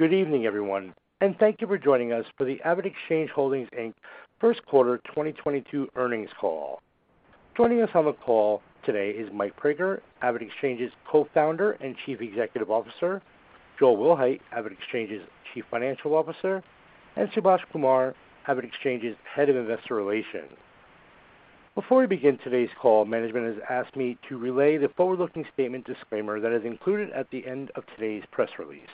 Good evening, everyone, and thank you for joining us for the AvidXchange Holdings, Inc. first quarter 2022 earnings call. Joining us on the call today is Michael Praeger, AvidXchange's Co-founder and Chief Executive Officer, Joel Wilhite, AvidXchange's Chief Financial Officer, and Subhaash Kumar, AvidXchange's Head of Investor Relations. Before we begin today's call, management has asked me to relay the forward-looking statement disclaimer that is included at the end of today's press release.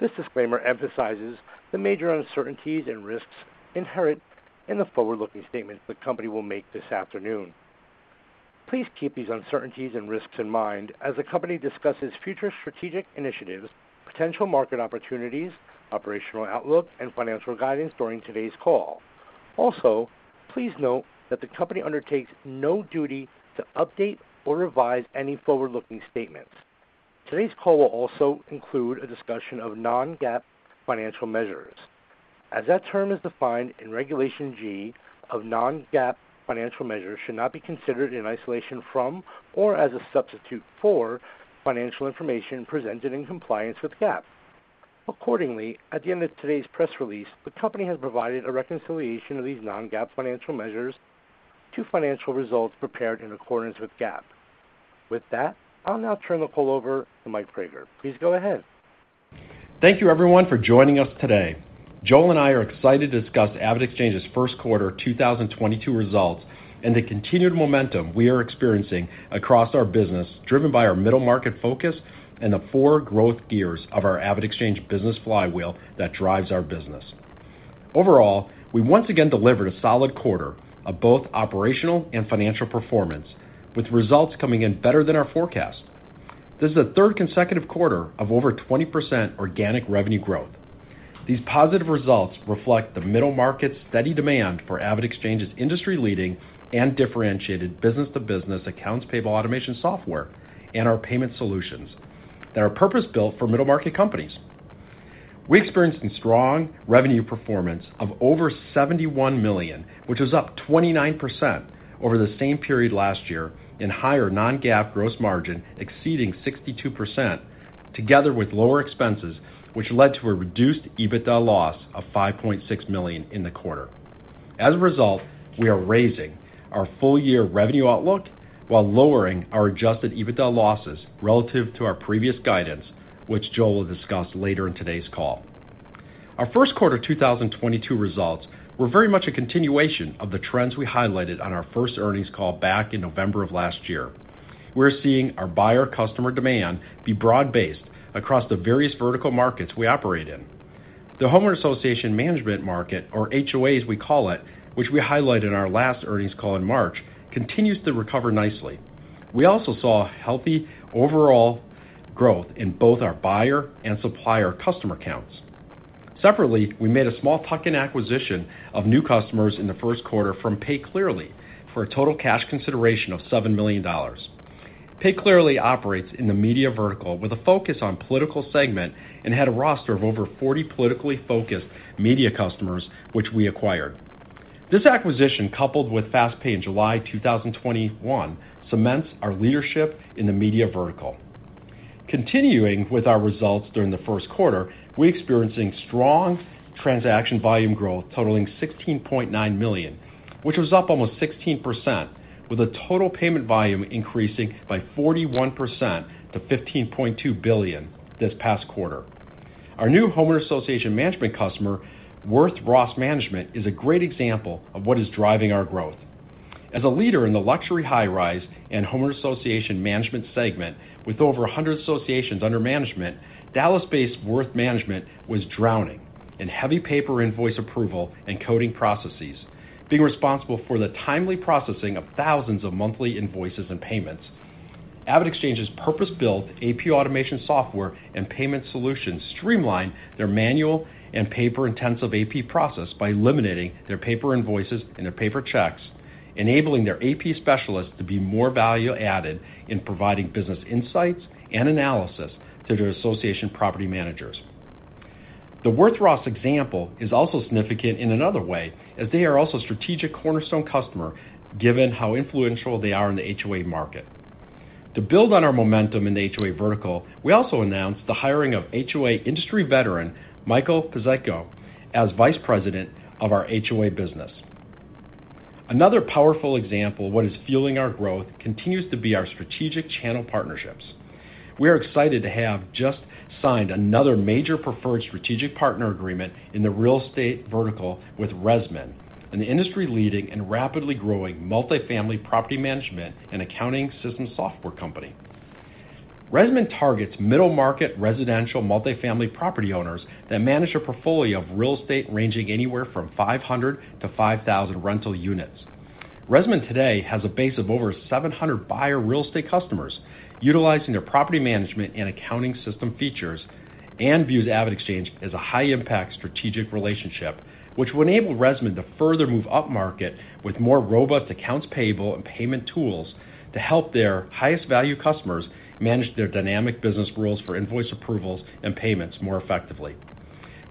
This disclaimer emphasizes the major uncertainties and risks inherent in the forward-looking statements the company will make this afternoon. Please keep these uncertainties and risks in mind as the company discusses future strategic initiatives, potential market opportunities, operational outlook, and financial guidance during today's call. Also, please note that the company undertakes no duty to update or revise any forward-looking statements. Today's call will also include a discussion of non-GAAP financial measures. As that term is defined in Regulation G, non-GAAP financial measures should not be considered in isolation from or as a substitute for financial information presented in compliance with GAAP. Accordingly, at the end of today's press release, the company has provided a reconciliation of these non-GAAP financial measures to financial results prepared in accordance with GAAP. With that, I'll now turn the call over to Mike Praeger. Please go ahead. Thank you everyone for joining us today. Joel and I are excited to discuss AvidXchange's first quarter 2022 results and the continued momentum we are experiencing across our business, driven by our middle market focus and the four growth gears of our AvidXchange Business Flywheel that drives our business. Overall, we once again delivered a solid quarter of both operational and financial performance, with results coming in better than our forecast. This is the third consecutive quarter of over 20% organic revenue growth. These positive results reflect the middle market's steady demand for AvidXchange's industry-leading and differentiated business-to-business accounts payable automation software and our payment solutions that are purpose-built for middle market companies. We experienced some strong revenue performance of over $71 million, which was up 29% over the same period last year, in higher non-GAAP gross margin exceeding 62%, together with lower expenses, which led to a reduced EBITDA loss of $5.6 million in the quarter. As a result, we are raising our full year revenue outlook while lowering our adjusted EBITDA losses relative to our previous guidance, which Joel will discuss later in today's call. Our first quarter 2022 results were very much a continuation of the trends we highlighted on our first earnings call back in November of last year. We're seeing our buyer customer demand be broad-based across the various vertical markets we operate in. The homeowner association management market, or HOA as we call it, which we highlighted in our last earnings call in March, continues to recover nicely. We also saw healthy overall growth in both our buyer and supplier customer counts. Separately, we made a small tuck-in acquisition of new customers in the first quarter from PayClearly for a total cash consideration of $7 million. PayClearly operates in the media vertical with a focus on political segment and had a roster of over 40 politically focused media customers, which we acquired. This acquisition, coupled with FastPay in July 2021, cements our leadership in the media vertical. Continuing with our results during the first quarter, we're experiencing strong transaction volume growth totaling 16.9 million, which was up almost 16%, with a total payment volume increasing by 41% to $15.2 billion this past quarter. Our new homeowner association management customer, Worth Ross Management, is a great example of what is driving our growth. As a leader in the luxury high-rise and homeowner association management segment with over a hundred associations under management, Dallas-based Worth Ross Management was drowning in heavy paper invoice approval and coding processes, being responsible for the timely processing of thousands of monthly invoices and payments. AvidXchange's purpose-built AP automation software and payment solutions streamlined their manual and paper-intensive AP process by eliminating their paper invoices and their paper checks, enabling their AP specialists to be more value added in providing business insights and analysis to their association property managers. The Worth Ross example is also significant in another way, as they are also a strategic cornerstone customer given how influential they are in the HOA market. To build on our momentum in the HOA vertical, we also announced the hiring of HOA industry veteran Michael Pizzico as Vice President of our HOA business. Another powerful example of what is fueling our growth continues to be our strategic channel partnerships. We are excited to have just signed another major preferred strategic partner agreement in the real estate vertical with ResMan, an industry-leading and rapidly growing multi-family property management and accounting system software company. ResMan targets middle market residential multi-family property owners that manage a portfolio of real estate ranging anywhere from 500 to 5,000 rental units. ResMan today has a base of over 700 buyer real estate customers utilizing their property management and accounting system features and views AvidXchange as a high impact strategic relationship which will enable ResMan to further move upmarket with more robust accounts payable and payment tools to help their highest value customers manage their dynamic business rules for invoice approvals and payments more effectively.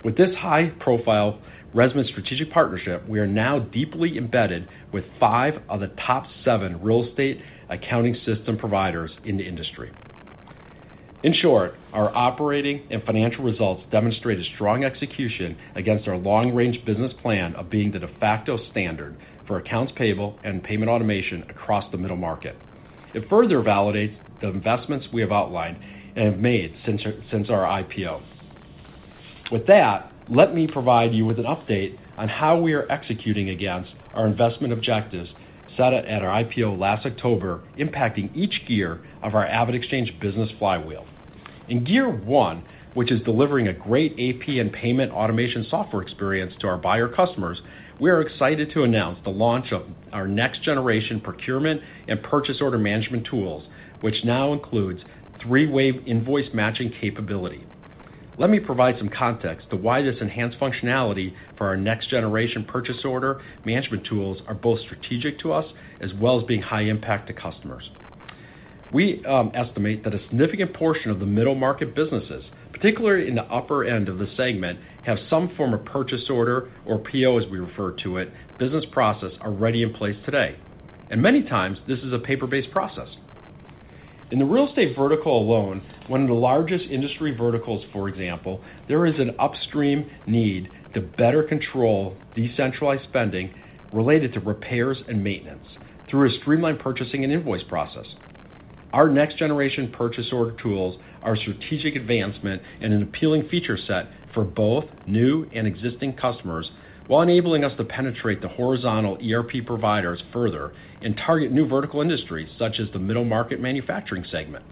With this high-profile ResMan strategic partnership, we are now deeply embedded with five of the top seven real estate accounting system providers in the industry. In short, our operating and financial results demonstrate a strong execution against our long-range business plan of being the de facto standard for accounts payable and payment automation across the middle market. It further validates the investments we have outlined and have made since our IPO. With that, let me provide you with an update on how we are executing against our investment objectives set at our IPO last October, impacting each gear of our AvidXchange Business Flywheel. In gear one, which is delivering a great AP and payment automation software experience to our buyer customers, we are excited to announce the launch of our next generation procurement and purchase order management tools, which now includes three-way invoice matching capability. Let me provide some context to why this enhanced functionality for our next generation purchase order management tools are both strategic to us, as well as being high impact to customers. We estimate that a significant portion of the middle market businesses, particularly in the upper end of the segment, have some form of purchase order or PO, as we refer to it, business process already in place today. Many times, this is a paper-based process. In the real estate vertical alone, one of the largest industry verticals, for example, there is an upstream need to better control decentralized spending related to repairs and maintenance through a streamlined purchasing and invoice process. Our next generation purchase order tools are a strategic advancement and an appealing feature set for both new and existing customers, while enabling us to penetrate the horizontal ERP providers further and target new vertical industries, such as the middle market manufacturing segment.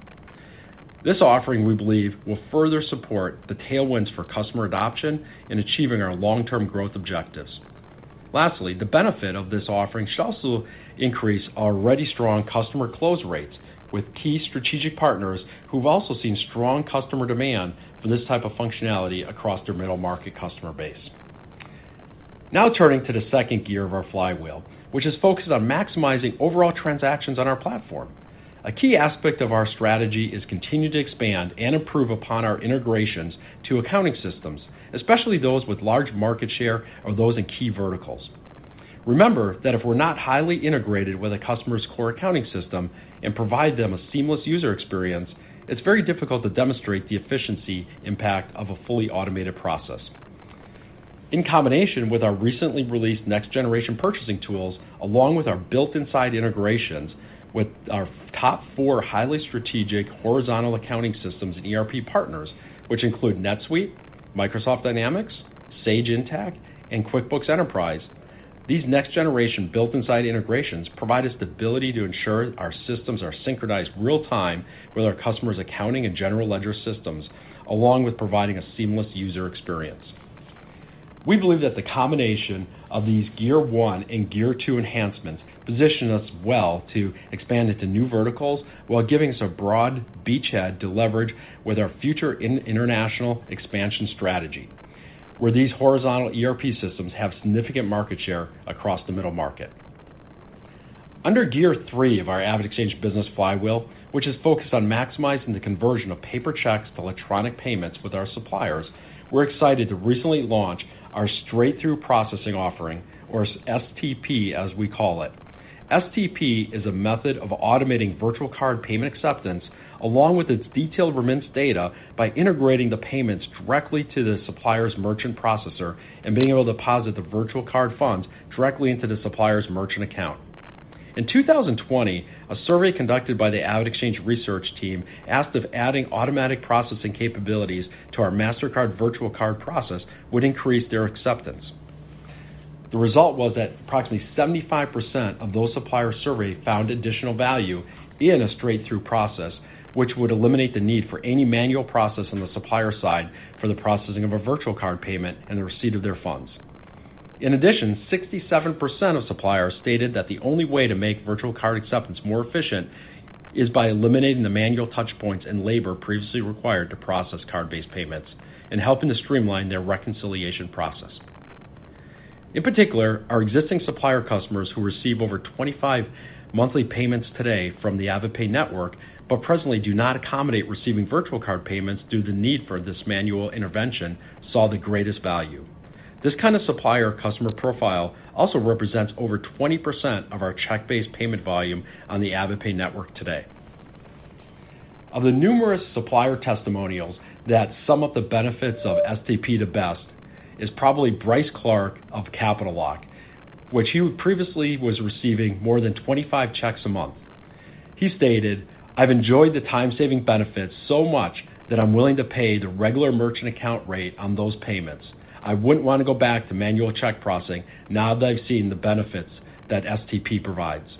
This offering, we believe, will further support the tailwinds for customer adoption in achieving our long-term growth objectives. Lastly, the benefit of this offering should also increase our already strong customer close rates with key strategic partners who've also seen strong customer demand for this type of functionality across their middle market customer base. Now turning to the second gear of our flywheel, which is focused on maximizing overall transactions on our platform. A key aspect of our strategy is continuing to expand and improve upon our integrations to accounting systems, especially those with large market share or those in key verticals. Remember that if we're not highly integrated with a customer's core accounting system and provide them a seamless user experience, it's very difficult to demonstrate the efficiency impact of a fully automated process. In combination with our recently released next generation purchasing tools, along with our built-in integrations with our top four highly strategic horizontal accounting systems and ERP partners, which include NetSuite, Microsoft Dynamics, Sage Intacct, and QuickBooks Enterprise. These next generation built-in integrations provide us the ability to ensure our systems are synchronized real time with our customers' accounting and general ledger systems, along with providing a seamless user experience. We believe that the combination of these gear one and gear two enhancements position us well to expand into new verticals while giving us a broad beachhead to leverage with our future international expansion strategy, where these horizontal ERP systems have significant market share across the middle market. Under gear three of our AvidXchange Business Flywheel, which is focused on maximizing the conversion of paper checks to electronic payments with our suppliers, we're excited to recently launch our straight-through processing offering or STP as we call it. STP is a method of automating virtual card payment acceptance along with its detailed remittance data by integrating the payments directly to the supplier's merchant processor and being able to deposit the virtual card funds directly into the supplier's merchant account. In 2020, a survey conducted by the AvidXchange research team asked if adding automatic processing capabilities to our Mastercard virtual card process would increase their acceptance. The result was that approximately 75% of those suppliers surveyed found additional value in a straight-through process, which would eliminate the need for any manual process on the supplier side for the processing of a virtual card payment and the receipt of their funds. In addition, 67% of suppliers stated that the only way to make virtual card acceptance more efficient is by eliminating the manual touch points and labor previously required to process card-based payments and helping to streamline their reconciliation process. In particular, our existing supplier customers who receive over 25 monthly payments today from the AvidPay network, but presently do not accommodate receiving virtual card payments due to need for this manual intervention, saw the greatest value. This kind of supplier customer profile also represents over 20% of our check-based payment volume on the AvidPay network today. Of the numerous supplier testimonials that sum up the benefits of STP, the best is probably Bryce Clark of Capital Lock, which he previously was receiving more than 25 checks a month. He stated, "I've enjoyed the time saving benefits so much that I'm willing to pay the regular merchant account rate on those payments. I wouldn't want to go back to manual check processing now that I've seen the benefits that STP provides."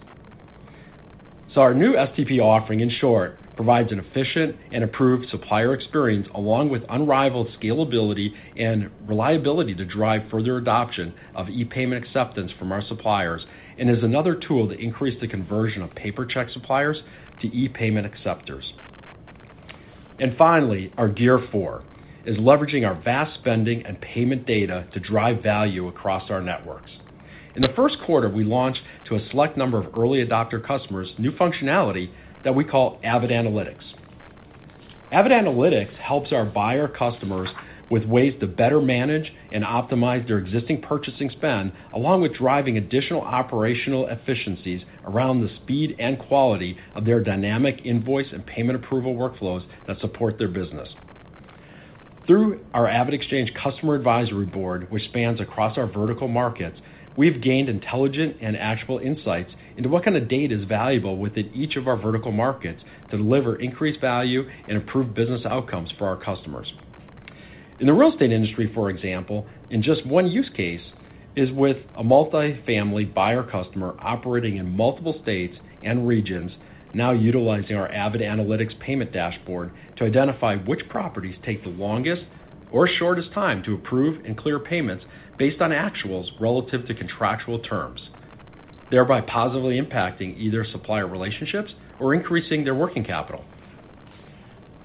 Our new STP offering, in short, provides an efficient and approved supplier experience along with unrivaled scalability and reliability to drive further adoption of e-payment acceptance from our suppliers and is another tool to increase the conversion of paper check suppliers to e-payment acceptors. Finally, our fourth gear is leveraging our vast spending and payment data to drive value across our networks. In the first quarter, we launched to a select number of early adopter customers, new functionality that we call AvidAnalytics. AvidAnalytics helps our buyer customers with ways to better manage and optimize their existing purchasing spend, along with driving additional operational efficiencies around the speed and quality of their dynamic invoice and payment approval workflows that support their business. Through our AvidXchange customer advisory board, which spans across our vertical markets, we've gained intelligent and actionable insights into what kind of data is valuable within each of our vertical markets to deliver increased value and improve business outcomes for our customers. In the real estate industry, for example, in just one use case, is with a multifamily buyer customer operating in multiple states and regions now utilizing our AvidAnalytics payment dashboard to identify which properties take the longest or shortest time to approve and clear payments based on actuals relative to contractual terms, thereby positively impacting either supplier relationships or increasing their working capital.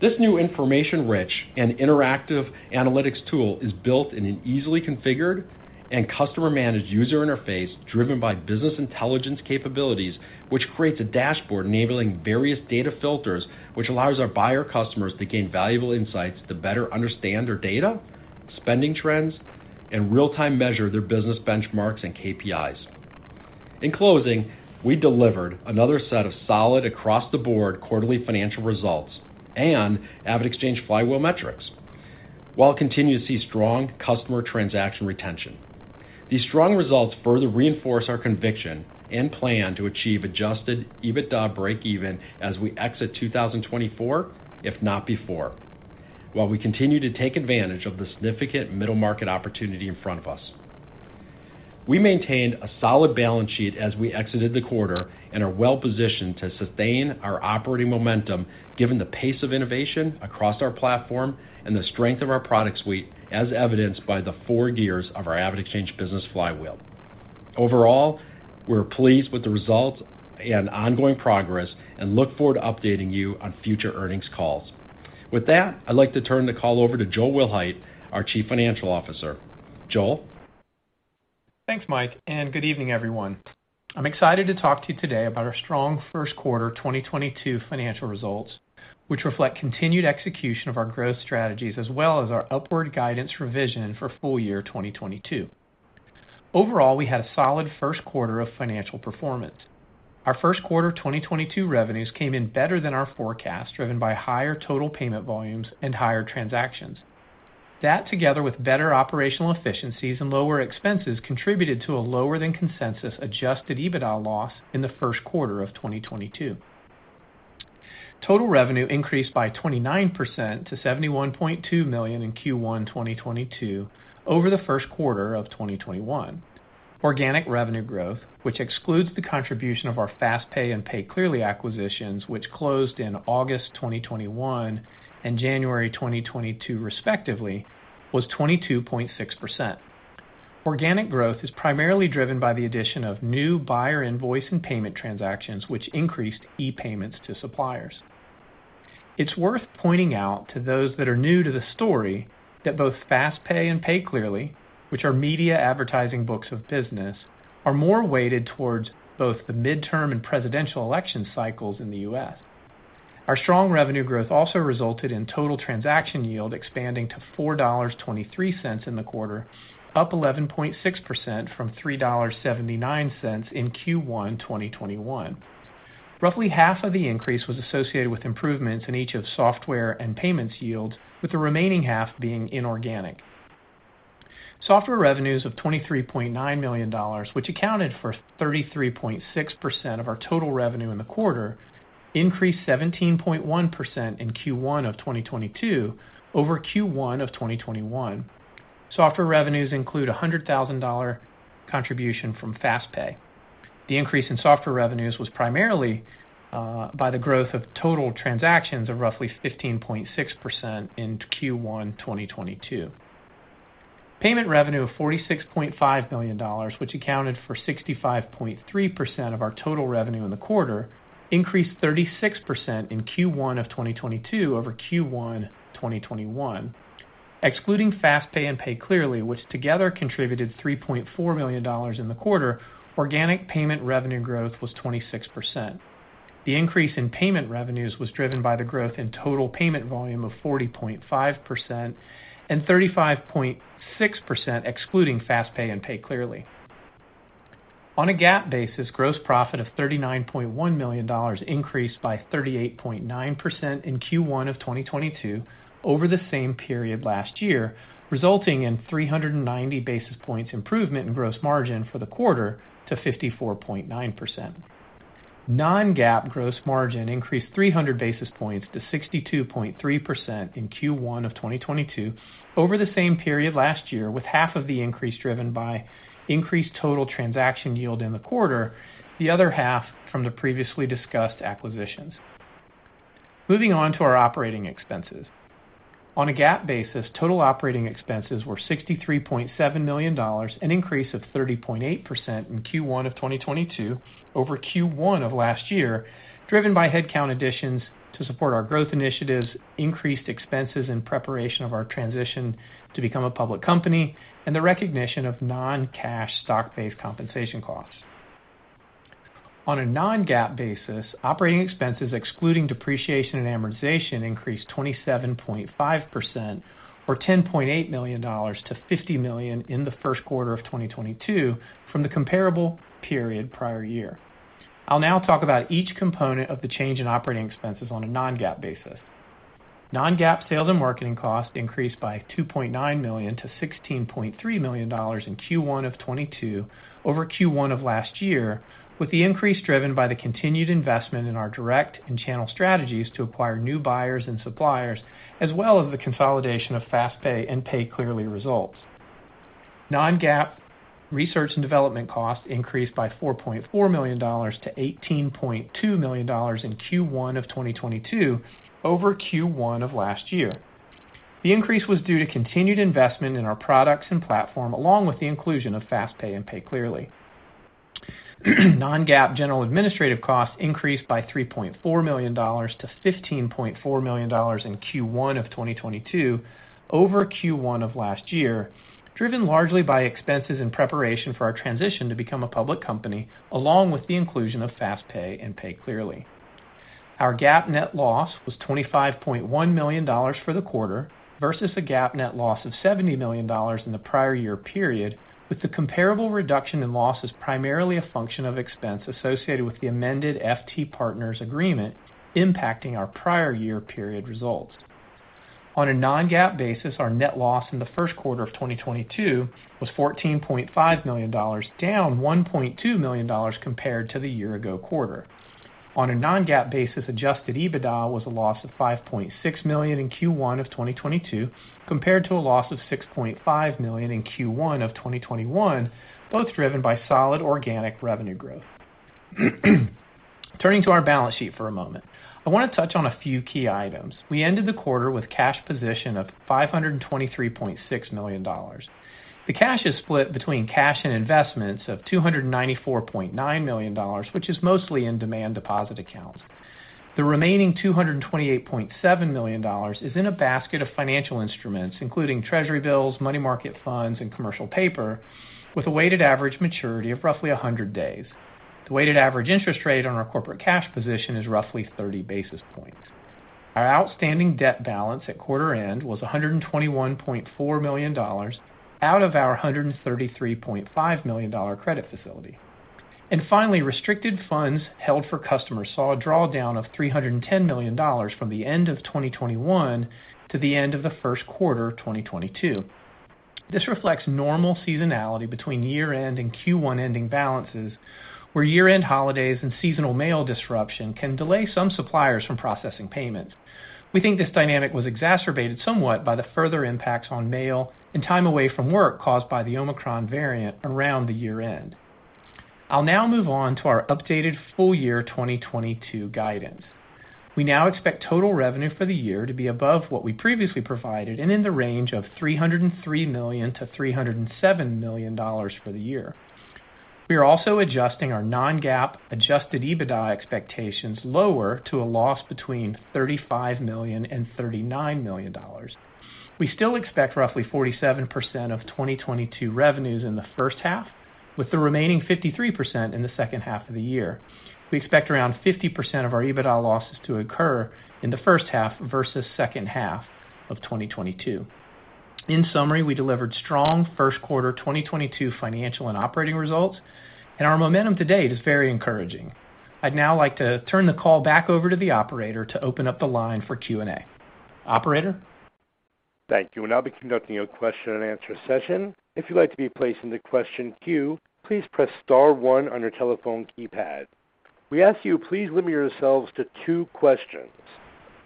This new information-rich and interactive analytics tool is built in an easily configured and customer-managed user interface driven by business intelligence capabilities, which creates a dashboard enabling various data filters, which allows our buyer customers to gain valuable insights to better understand their data, spending trends, and real-time measure their business benchmarks and KPIs. In closing, we delivered another set of solid across-the-board quarterly financial results and AvidXchange Flywheel metrics, while continuing to see strong customer transaction retention. These strong results further reinforce our conviction and plan to achieve adjusted EBITDA breakeven as we exit 2024, if not before, while we continue to take advantage of the significant middle market opportunity in front of us. We maintained a solid balance sheet as we exited the quarter and are well positioned to sustain our operating momentum given the pace of innovation across our platform and the strength of our product suite, as evidenced by the four gears of our AvidXchange Business Flywheel. Overall, we're pleased with the results and ongoing progress and look forward to updating you on future earnings calls. With that, I'd like to turn the call over to Joel Wilhite, our Chief Financial Officer. Joel? Thanks, Mike, and good evening, everyone. I'm excited to talk to you today about our strong first quarter 2022 financial results, which reflect continued execution of our growth strategies as well as our upward guidance revision for full year 2022. Overall, we had a solid first quarter of financial performance. Our first quarter 2022 revenues came in better than our forecast, driven by higher total payment volumes and higher transactions. That, together with better operational efficiencies and lower expenses, contributed to a lower than consensus adjusted EBITDA loss in the first quarter of 2022. Total revenue increased by 29% to $71.2 million in Q1 2022 over the first quarter of 2021. Organic revenue growth, which excludes the contribution of our FastPay and PayClearly acquisitions, which closed in August 2021 and January 2022 respectively, was 22.6%. Organic growth is primarily driven by the addition of new buyer invoice and payment transactions, which increased e-payments to suppliers. It's worth pointing out to those that are new to the story that both FastPay and PayClearly, which are media advertising books of business, are more weighted towards both the midterm and presidential election cycles in the US. Our strong revenue growth also resulted in total transaction yield expanding to $4.23 in the quarter, up 11.6% from $3.79 in Q1 2021. Roughly half of the increase was associated with improvements in each of software and payments yields, with the remaining half being inorganic. Software revenues of $23.9 million, which accounted for 33.6% of our total revenue in the quarter, increased 17.1% in Q1 2022 over Q1 2021. Software revenues include a $100,000 contribution from FastPay. The increase in software revenues was primarily by the growth of total transactions of roughly 15.6% in Q1 2022. Payment revenue of $46.5 million, which accounted for 65.3% of our total revenue in the quarter, increased 36% in Q1 2022 over Q1 2021. Excluding FastPay and PayClearly, which together contributed $3.4 million in the quarter, organic payment revenue growth was 26%. The increase in payment revenues was driven by the growth in total payment volume of 40.5% and 35.6% excluding FastPay and PayClearly. On a GAAP basis, gross profit of $39.1 million increased by 38.9% in Q1 of 2022 over the same period last year, resulting in 390 basis points improvement in gross margin for the quarter to 54.9%. Non-GAAP gross margin increased 300 basis points to 62.3% in Q1 of 2022 over the same period last year, with half of the increase driven by increased total transaction yield in the quarter, the other half from the previously discussed acquisitions. Moving on to our operating expenses. On a GAAP basis, total operating expenses were $63.7 million, an increase of 30.8% in Q1 of 2022 over Q1 of last year, driven by headcount additions to support our growth initiatives, increased expenses in preparation of our transition to become a public company, and the recognition of non-cash stock-based compensation costs. On a non-GAAP basis, operating expenses excluding depreciation and amortization increased 27.5% or $10.8 million to $50 million in the first quarter of 2022 from the comparable period prior year. I'll now talk about each component of the change in operating expenses on a non-GAAP basis. Non-GAAP sales and marketing costs increased by $2.9 million to $16.3 million in Q1 of 2022 over Q1 of last year, with the increase driven by the continued investment in our direct and channel strategies to acquire new buyers and suppliers, as well as the consolidation of FastPay and PayClearly results. Non-GAAP research and development costs increased by $4.4 million to $18.2 million in Q1 of 2022 over Q1 of last year. The increase was due to continued investment in our products and platform, along with the inclusion of FastPay and PayClearly. Non-GAAP general and administrative costs increased by $3.4 million to $15.4 million in Q1 of 2022 over Q1 of last year, driven largely by expenses in preparation for our transition to become a public company, along with the inclusion of FastPay and PayClearly. Our GAAP net loss was $25.1 million for the quarter versus the GAAP net loss of $70 million in the prior year period, with the comparable reduction in loss is primarily a function of expense associated with the amended FT Partners agreement impacting our prior year period results. On a non-GAAP basis, our net loss in the first quarter of 2022 was $14.5 million, down $1.2 million compared to the year ago quarter. On a non-GAAP basis, adjusted EBITDA was a loss of $5.6 million in Q1 of 2022, compared to a loss of $6.5 million in Q1 of 2021, both driven by solid organic revenue growth. Turning to our balance sheet for a moment. I wanna touch on a few key items. We ended the quarter with cash position of $523.6 million. The cash is split between cash and investments of $294.9 million, which is mostly in demand deposit accounts. The remaining $228.7 million is in a basket of financial instruments, including treasury bills, money market funds, and commercial paper with a weighted average maturity of roughly 100 days. The weighted average interest rate on our corporate cash position is roughly 30 basis points. Our outstanding debt balance at quarter end was $121.4 million out of our $133.5 million credit facility. Finally, restricted funds held for customers saw a drawdown of $310 million from the end of 2021 to the end of the first quarter of 2022. This reflects normal seasonality between year-end and Q1 ending balances, where year-end holidays and seasonal mail disruption can delay some suppliers from processing payments. We think this dynamic was exacerbated somewhat by the further impacts on mail and time away from work caused by the Omicron variant around the year-end. I'll now move on to our updated full year 2022 guidance. We now expect total revenue for the year to be above what we previously provided and in the range of $303 million-$307 million for the year. We are also adjusting our non-GAAP adjusted EBITDA expectations lower to a loss between $35 million and $39 million. We still expect roughly 47% of 2022 revenues in the first half, with the remaining 53% in the second half of the year. We expect around 50% of our EBITDA losses to occur in the first half versus second half of 2022. In summary, we delivered strong first quarter 2022 financial and operating results, and our momentum to date is very encouraging. I'd now like to turn the call back over to the operator to open up the line for Q&A. Operator? Thank you. We'll now be conducting a question and answer session. If you'd like to be placed into question queue, please press star one on your telephone keypad. We ask you please limit yourselves to two questions.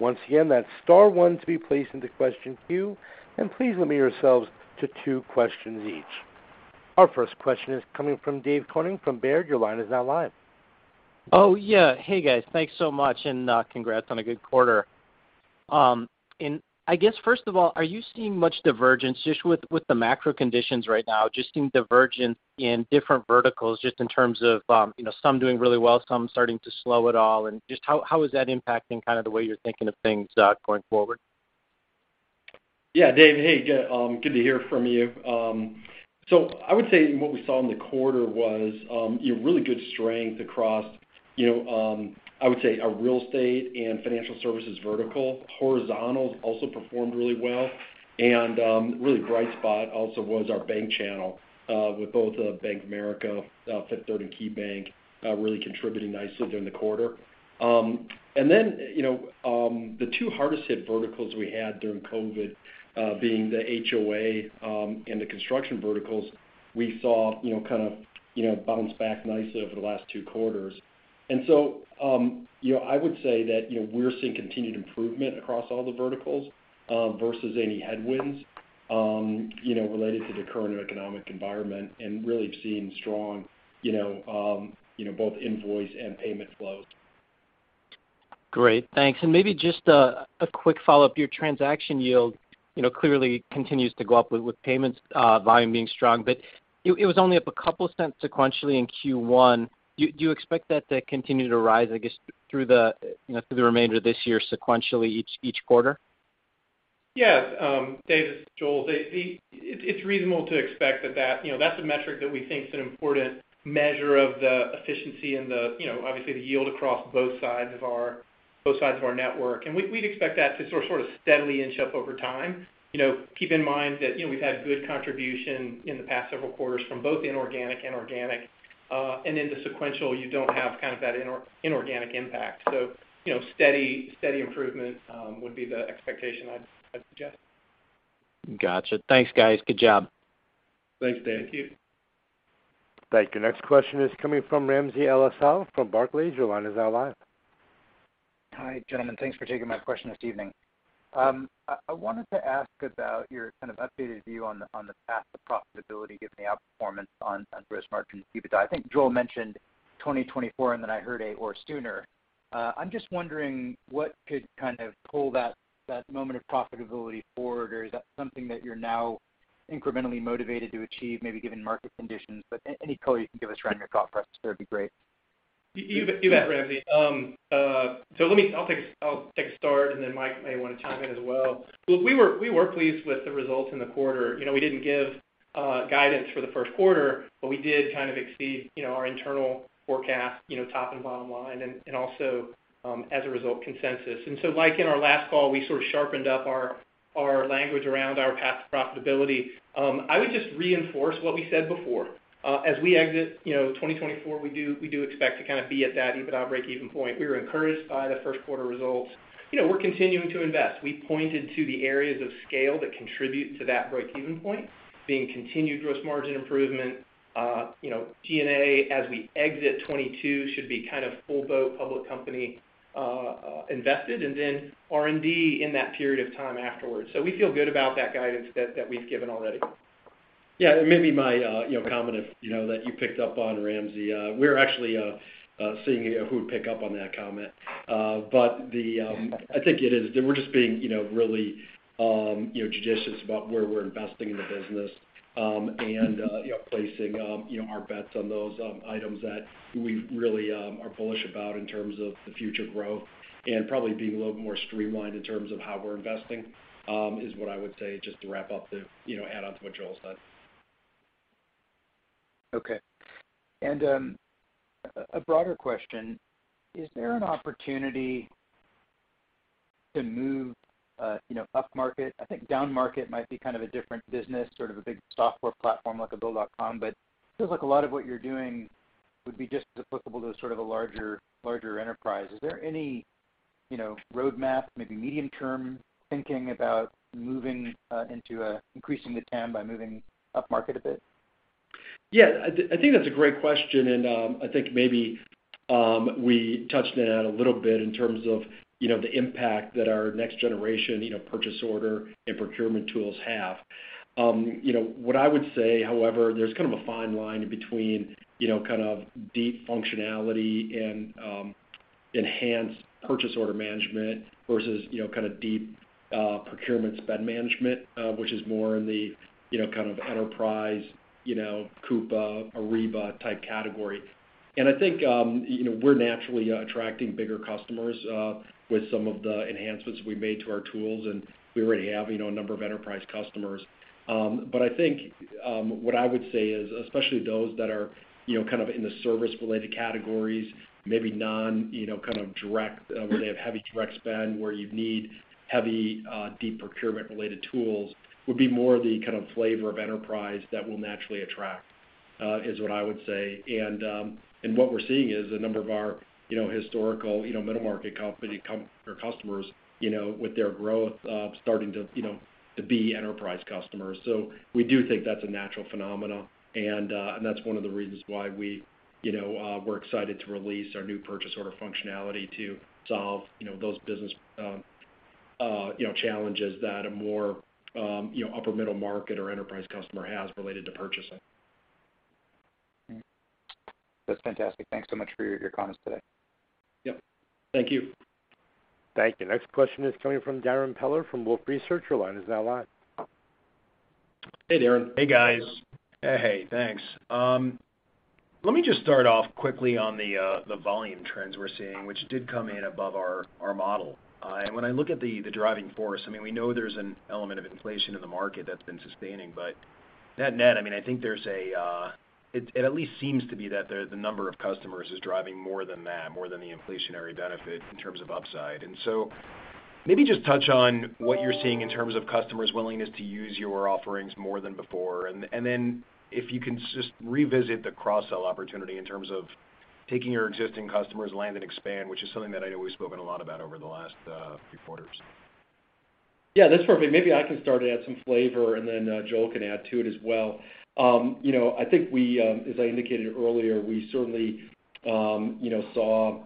Once again, that's star one to be placed into question queue, and please limit yourselves to two questions each. Our first question is coming from David Koning from Baird. Your line is now live. Oh, yeah. Hey, guys. Thanks so much, and congrats on a good quarter. I guess, first of all, are you seeing much divergence just with the macro conditions right now? Just seeing divergence in different verticals, just in terms of, you know, some doing really well, some starting to slow it all, and just how is that impacting kind of the way you're thinking of things, going forward? Yeah, Dave. Hey, yeah, good to hear from you. So I would say what we saw in the quarter was, you know, really good strength across, you know, I would say our real estate and financial services vertical. Horizontals also performed really well. Really bright spot also was our bank channel, with both, Bank of America, Fifth Third Bank, and KeyBank, really contributing nicely during the quarter. Then, you know, the two hardest hit verticals we had during COVID, being the HOA, and the construction verticals, we saw, you know, kind of, you know, bounce back nicely over the last two quarters. You know, I would say that, you know, we're seeing continued improvement across all the verticals, versus any headwinds, you know, related to the current economic environment and really have seen strong, you know, both invoice and payment flows. Great. Thanks. Maybe just a quick follow-up. Your transaction yield, you know, clearly continues to go up with payments volume being strong, but it was only up a couple cents sequentially in Q1. Do you expect that to continue to rise, I guess, through the remainder of this year sequentially each quarter? Yes. David, it's Joel. It's reasonable to expect that, you know, that's a metric that we think is an important measure of the efficiency and the, you know, obviously, the yield across both sides of our network. We'd expect that to sort of steadily inch up over time. You know, keep in mind that, you know, we've had good contribution in the past several quarters from both inorganic and organic. In the sequential, you don't have kind of that inorganic impact. You know, steady improvement would be the expectation I'd suggest. Gotcha. Thanks, guys. Good job. Thanks, David. Thank you. Thank you. Next question is coming from Ramsey El-Assal from Barclays. Your line is now live. Hi, gentlemen. Thanks for taking my question this evening. I wanted to ask about your kind of updated view on the path to profitability given the outperformance on gross margin EBITDA. I think Joel mentioned 2024, and then I heard or sooner. I'm just wondering what could kind of pull that moment of profitability forward, or is that something that you're now incrementally motivated to achieve maybe given market conditions? Any color you can give us around your thought process there would be great. You bet, Ramsey. I'll take a start, and then Michael Praeger may wanna chime in as well. Look, we were pleased with the results in the quarter. You know, we didn't give guidance for the first quarter, but we did kind of exceed, you know, our internal forecast, you know, top and bottom line and also, as a result, consensus. Like in our last call, we sort of sharpened up our language around our path to profitability. I would just reinforce what we said before. As we exit 2024, we do expect to kind of be at that EBITDA breakeven point. We were encouraged by the first quarter results. You know, we're continuing to invest. We pointed to the areas of scale that contribute to that breakeven point, being continued gross margin improvement. You know, G&A as we exit 2022 should be kind of full-blown public company invested and then R&D in that period of time afterwards. We feel good about that guidance that we've given already. Yeah. It may be my, you know, comment if, you know, that you picked up on Ramsey. We're actually seeing who would pick up on that comment. We're just being, you know, really, you know, judicious about where we're investing in the business, and, you know, placing, you know, our bets on those, items that we really, are bullish about in terms of the future growth and probably being a little bit more streamlined in terms of how we're investing, is what I would say just to wrap up the, you know, add onto what Joel said. Okay. A broader question, is there an opportunity to move, you know, upmarket? I think downmarket might be kind of a different business, sort of a big software platform like a Bill.com, but feels like a lot of what you're doing would be just applicable to sort of a larger enterprise. Is there any, you know, roadmap, maybe medium term thinking about moving into increasing the TAM by moving upmarket a bit? Yeah. I think that's a great question, and I think maybe we touched on it a little bit in terms of, you know, the impact that our next generation purchase order and procurement tools have. What I would say, however, there's kind of a fine line between, you know, kind of deep functionality and enhanced purchase order management versus, you know, kinda deep procurement spend management, which is more in the, you know, kind of enterprise Coupa, Ariba type category. I think, you know, we're naturally attracting bigger customers with some of the enhancements we made to our tools, and we already have, you know, a number of enterprise customers. I think what I would say is, especially those that are, you know, kind of in the service related categories, maybe non, you know, kind of direct, where they have heavy direct spend, where you'd need heavy, deep procurement related tools, would be more the kind of flavor of enterprise that we'll naturally attract, is what I would say. And what we're seeing is a number of our, you know, historical, you know, middle market company or customers, you know, with their growth, starting to, you know, to be enterprise customers. We do think that's a natural phenomenon, and that's one of the reasons why we, you know, we're excited to release our new purchase order functionality to solve, you know, those business, you know, challenges that a more, you know, upper middle market or enterprise customer has related to purchasing. That's fantastic. Thanks so much for your comments today. Yep. Thank you. Thank you. Next question is coming from Darrin Peller from Wolfe Research. Your line is now live. Hey, Darrin. Hey, guys. Hey. Thanks. Let me just start off quickly on the volume trends we're seeing, which did come in above our model. When I look at the driving force, I mean, we know there's an element of inflation in the market that's been sustaining. Net net, I mean, I think it at least seems to be that the number of customers is driving more than that, more than the inflationary benefit in terms of upside. Maybe just touch on what you're seeing in terms of customers' willingness to use your offerings more than before. Then if you can just revisit the cross-sell opportunity in terms of taking your existing customers land and expand, which is something that I know we've spoken a lot about over the last few quarters. Yeah, that's perfect. Maybe I can start to add some flavor, and then, Joel can add to it as well. You know, I think we, as I indicated earlier, we certainly, you know, saw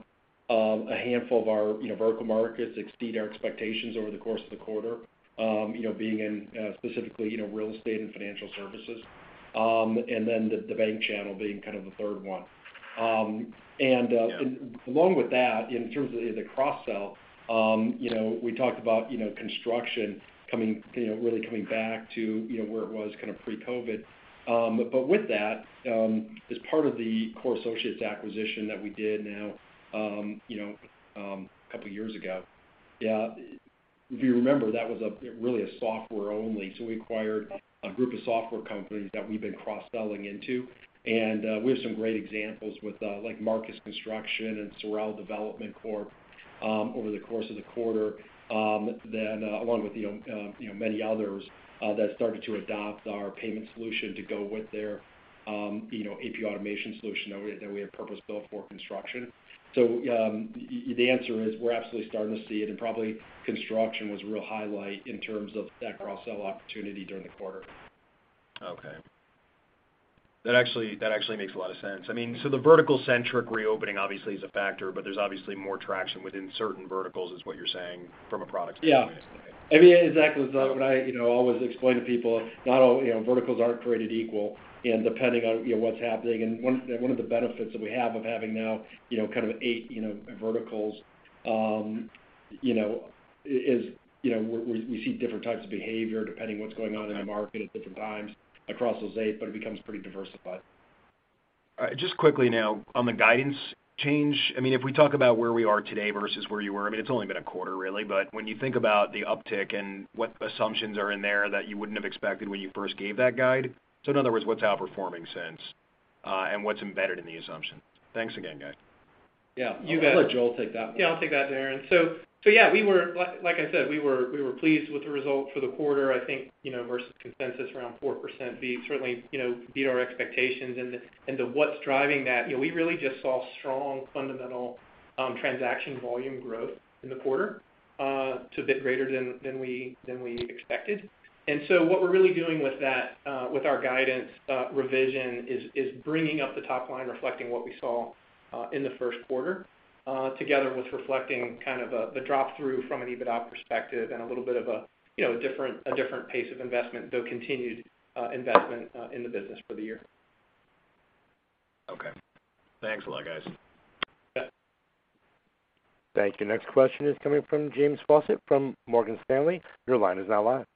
a handful of our, you know, vertical markets exceed our expectations over the course of the quarter, you know, being in, specifically, you know, real estate and financial services, and then the bank channel being kind of the third one. And along with that, in terms of the cross-sell, you know, we talked about, you know, construction coming, you know, really coming back to, you know, where it was kind of pre-COVID. With that, as part of the Core Associates acquisition that we did now, a couple of years ago. Yeah. If you remember, that was really a software only. We acquired a group of software companies that we've been cross-selling into. We have some great examples with, like Marcus Construction and Sorrel Development Corp, over the course of the quarter, then along with you know many others that started to adopt our payment solution to go with their you know AP automation solution that we had purpose-built for construction. The answer is we're absolutely starting to see it, and probably construction was a real highlight in terms of that cross-sell opportunity during the quarter. Okay. That actually makes a lot of sense. I mean, so the vertical-centric reopening obviously is a factor, but there's obviously more traction within certain verticals, is what you're saying, from a product standpoint. Yeah. I mean, exactly. What I, you know, always explain to people, not all, you know, verticals aren't created equal, and depending on, you know, what's happening. One of the benefits that we have of having now, you know, kind of eight, you know, verticals, you know, is, you know, we see different types of behavior depending what's going on in the market at different times across those eight, but it becomes pretty diversified. All right. Just quickly now, on the guidance change, I mean, if we talk about where we are today versus where you were, I mean, it's only been a quarter really, but when you think about the uptick and what assumptions are in there that you wouldn't have expected when you first gave that guide, so in other words, what's outperforming since, and what's embedded in the assumption? Thanks again, guys. Yeah. You bet. I'll let Joel take that one. Yeah, I'll take that, Darrin. Yeah, like I said, we were pleased with the result for the quarter. I think, you know, versus consensus around 4%, we certainly, you know, beat our expectations. What's driving that, you know, we really just saw strong fundamental transaction volume growth in the quarter to a bit greater than we expected. What we're really doing with that with our guidance revision is bringing up the top line, reflecting what we saw in the first quarter together with reflecting kind of the drop-through from an EBITDA perspective and a little bit of a different pace of investment, though continued investment in the business for the year. Okay. Thanks a lot, guys. You bet. Thank you. Next question is coming from James Faucette from Morgan Stanley. Your line is now live.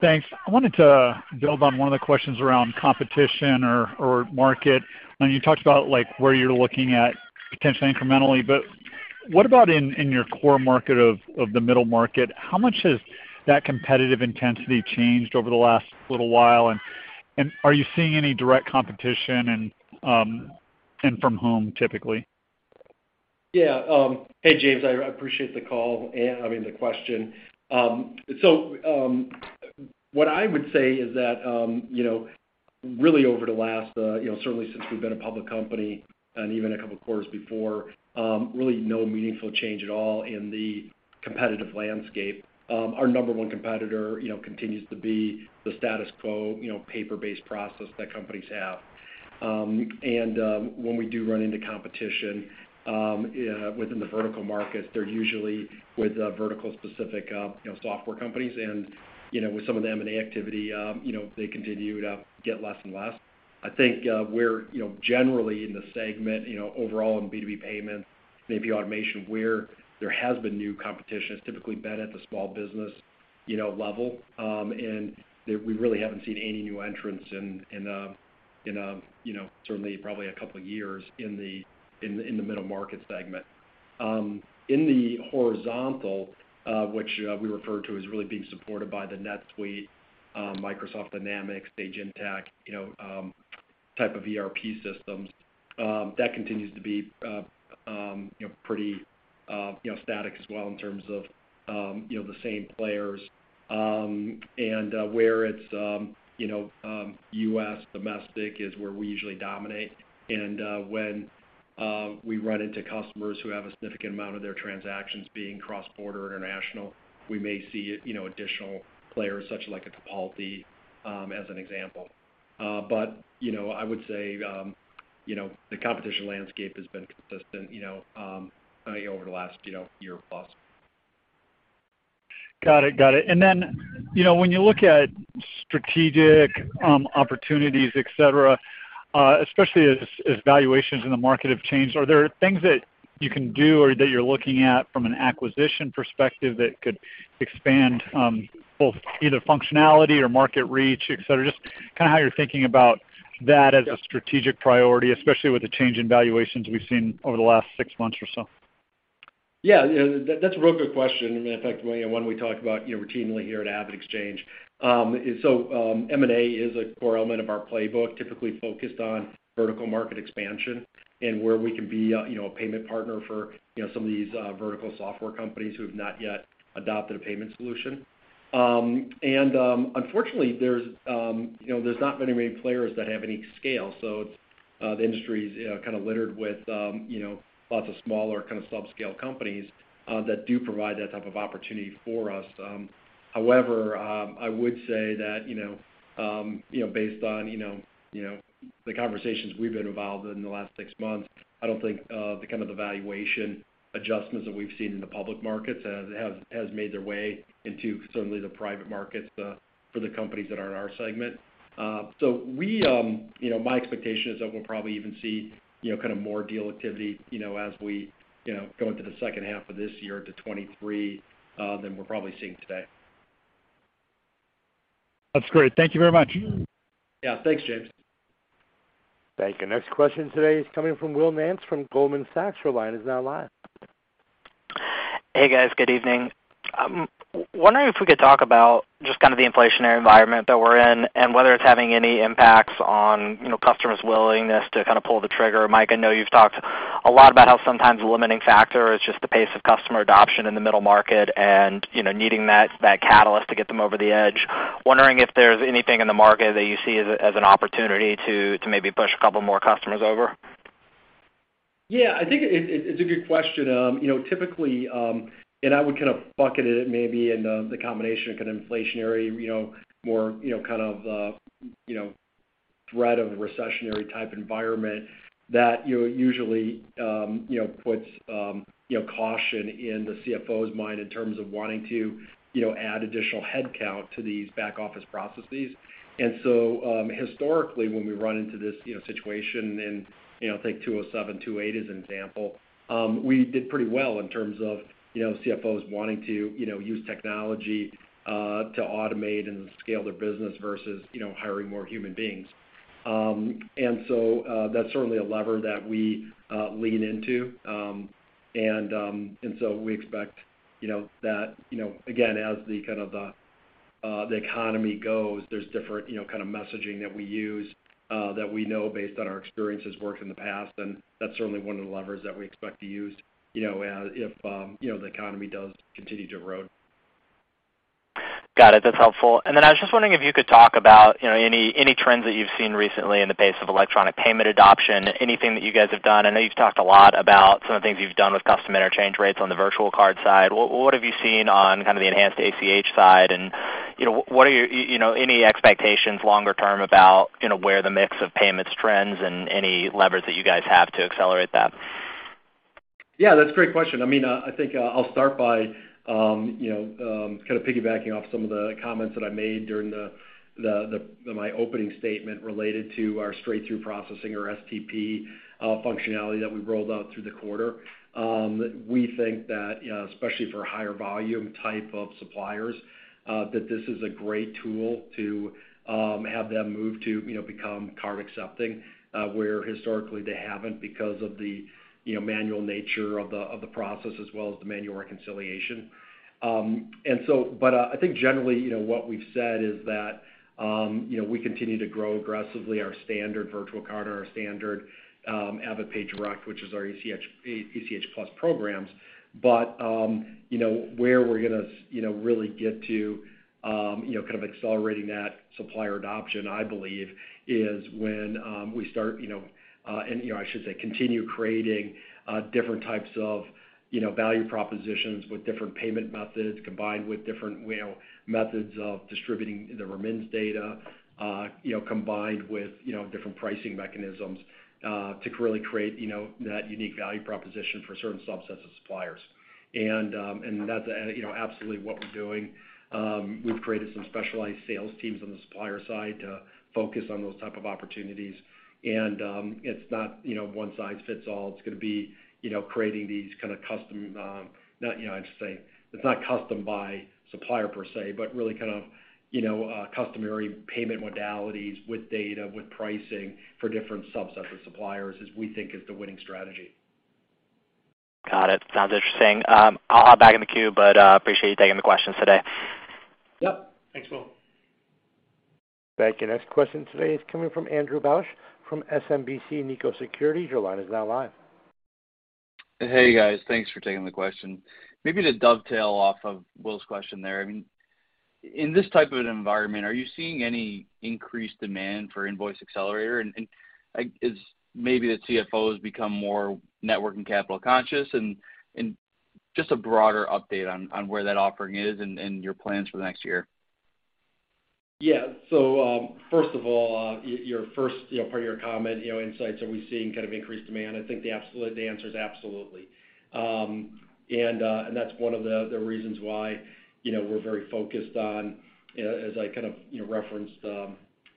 Thanks. I wanted to build on one of the questions around competition or market. I know you talked about like where you're looking at potentially incrementally, but what about in your core market of the middle market? How much has that competitive intensity changed over the last little while? Are you seeing any direct competition and from whom typically? Yeah. Hey, James. I appreciate the call and, I mean, the question. What I would say is that, you know, really over the last, you know, certainly since we've been a public company and even a couple of quarters before, really no meaningful change at all in the competitive landscape. Our number one competitor, you know, continues to be the status quo, you know, paper-based process that companies have. When we do run into competition, within the vertical markets, they're usually with vertical specific, you know, software companies. You know, with some of the M&A activity, you know, they continue to get less and less. I think, we're, you know, generally in the segment, you know, overall in B2B payments, maybe automation, where there has been new competition, it's typically been at the small business, you know, level. We really haven't seen any new entrants in, you know, certainly probably a couple of years in the middle market segment. In the horizontal, which we refer to as really being supported by the NetSuite, Microsoft Dynamics, Sage Intacct, you know, type of ERP systems, that continues to be, you know, pretty, you know, static as well in terms of, you know, the same players. Where it's U.S. domestic is where we usually dominate. When we run into customers who have a significant amount of their transactions being cross-border international, we may see, you know, additional players such as COPALP, as an example. You know, I would say, you know, the competition landscape has been consistent, you know, I think over the last, you know, year plus. Got it. You know, when you look at strategic opportunities, et cetera, especially as valuations in the market have changed, are there things that you can do or that you're looking at from an acquisition perspective that could expand both either functionality or market reach, et cetera? Just kinda how you're thinking about that as a strategic priority, especially with the change in valuations we've seen over the last six months or so. Yeah. That's a real good question, and in fact, one we talk about, you know, routinely here at AvidXchange. So, M&A is a core element of our playbook, typically focused on vertical market expansion and where we can be a, you know, a payment partner for, you know, some of these vertical software companies who have not yet adopted a payment solution. And, unfortunately, there's, you know, there's not many players that have any scale. So, the industry's, you know, kind of littered with, you know, lots of smaller kind of subscale companies that do provide that type of opportunity for us. However, I would say that, you know, based on, you know, the conversations we've been involved in the last six months, I don't think the kind of valuation adjustments that we've seen in the public markets has made their way into certainly the private markets, for the companies that are in our segment. We, you know, my expectation is that we'll probably even see, you know, kind of more deal activity, you know, as we, you know, go into the second half of this year to 2023, than we're probably seeing today. That's great. Thank you very much. Yeah, thanks, James. Thank you. Next question today is coming from Will Nance from Goldman Sachs. Your line is now live. Hey, guys. Good evening. Wondering if we could talk about just kind of the inflationary environment that we're in and whether it's having any impacts on, you know, customers' willingness to kind of pull the trigger. Mike, I know you've talked a lot about how sometimes the limiting factor is just the pace of customer adoption in the middle market and, you know, needing that catalyst to get them over the edge. Wondering if there's anything in the market that you see as an opportunity to maybe push a couple more customers over. Yeah, I think it's a good question. You know, typically, and I would kind of bucket it maybe in the combination of kind of inflationary, you know, more, you know, kind of threat of a recessionary type environment that you usually, you know, puts caution in the CFO's mind in terms of wanting to, you know, add additional headcount to these back-office processes. Historically, when we run into this, you know, situation and, you know, take 2007, 2008 as an example, we did pretty well in terms of, you know, CFOs wanting to, you know, use technology to automate and scale their business versus, you know, hiring more human beings. That's certainly a lever that we lean into. We expect, you know, that, you know, again, as the kind of economy goes, there's different, you know, kind of messaging that we use that we know based on our experiences worked in the past, and that's certainly one of the levers that we expect to use, you know, if, you know, the economy does continue to erode. Got it. That's helpful. I was just wondering if you could talk about, you know, any trends that you've seen recently in the pace of electronic payment adoption, anything that you guys have done. I know you've talked a lot about some of the things you've done with custom interchange rates on the virtual card side. What have you seen on kind of the enhanced ACH side? You know, what are your, you know, any expectations longer term about, you know, where the mix of payments trends and any levers that you guys have to accelerate that? Yeah, that's a great question. I mean, I think I'll start by you know kind of piggybacking off some of the comments that I made during the my opening statement related to our straight-through processing or STP functionality that we rolled out through the quarter. We think that especially for higher volume type of suppliers that this is a great tool to have them move to you know become card accepting where historically they haven't because of the you know manual nature of the process as well as the manual reconciliation. I think generally you know what we've said is that you know we continue to grow aggressively our standard virtual card or our standard AvidPay Direct which is our ACH plus programs. You know, where we're gonna, you know, really get to, you know, kind of accelerating that supplier adoption, I believe, is when we start, you know, and, you know, I should say, continue creating different types of, you know, value propositions with different payment methods combined with different, you know, methods of distributing the remittance data, you know, combined with, you know, different pricing mechanisms to really create, you know, that unique value proposition for certain subsets of suppliers. And that's, you know, absolutely what we're doing. We've created some specialized sales teams on the supplier side to focus on those type of opportunities. It's not, you know, one size fits all. It's gonna be, you know, creating these kind of custom, not, you know, I'd say it's not custom by supplier per se, but really kind of, you know, customary payment modalities with data, with pricing for different subsets of suppliers, as we think is the winning strategy. Got it. Sounds interesting. I'll hop back in the queue, but appreciate you taking the questions today. Yep. Thanks, Will. Thank you. Next question today is coming from Andrew Bauch from SMBC Nikko Securities. Your line is now live. Hey, guys. Thanks for taking the question. Maybe to dovetail off of Will's question there, I mean, in this type of an environment, are you seeing any increased demand for Invoice Accelerator? And, like, is maybe the CFOs become more net working capital conscious and just a broader update on where that offering is and your plans for the next year. Yeah. First of all, your first, you know, part of your comment, you know, insights, are we seeing kind of increased demand? I think the answer is absolutely. That's one of the reasons why, you know, we're very focused on, as I kind of, you know, referenced,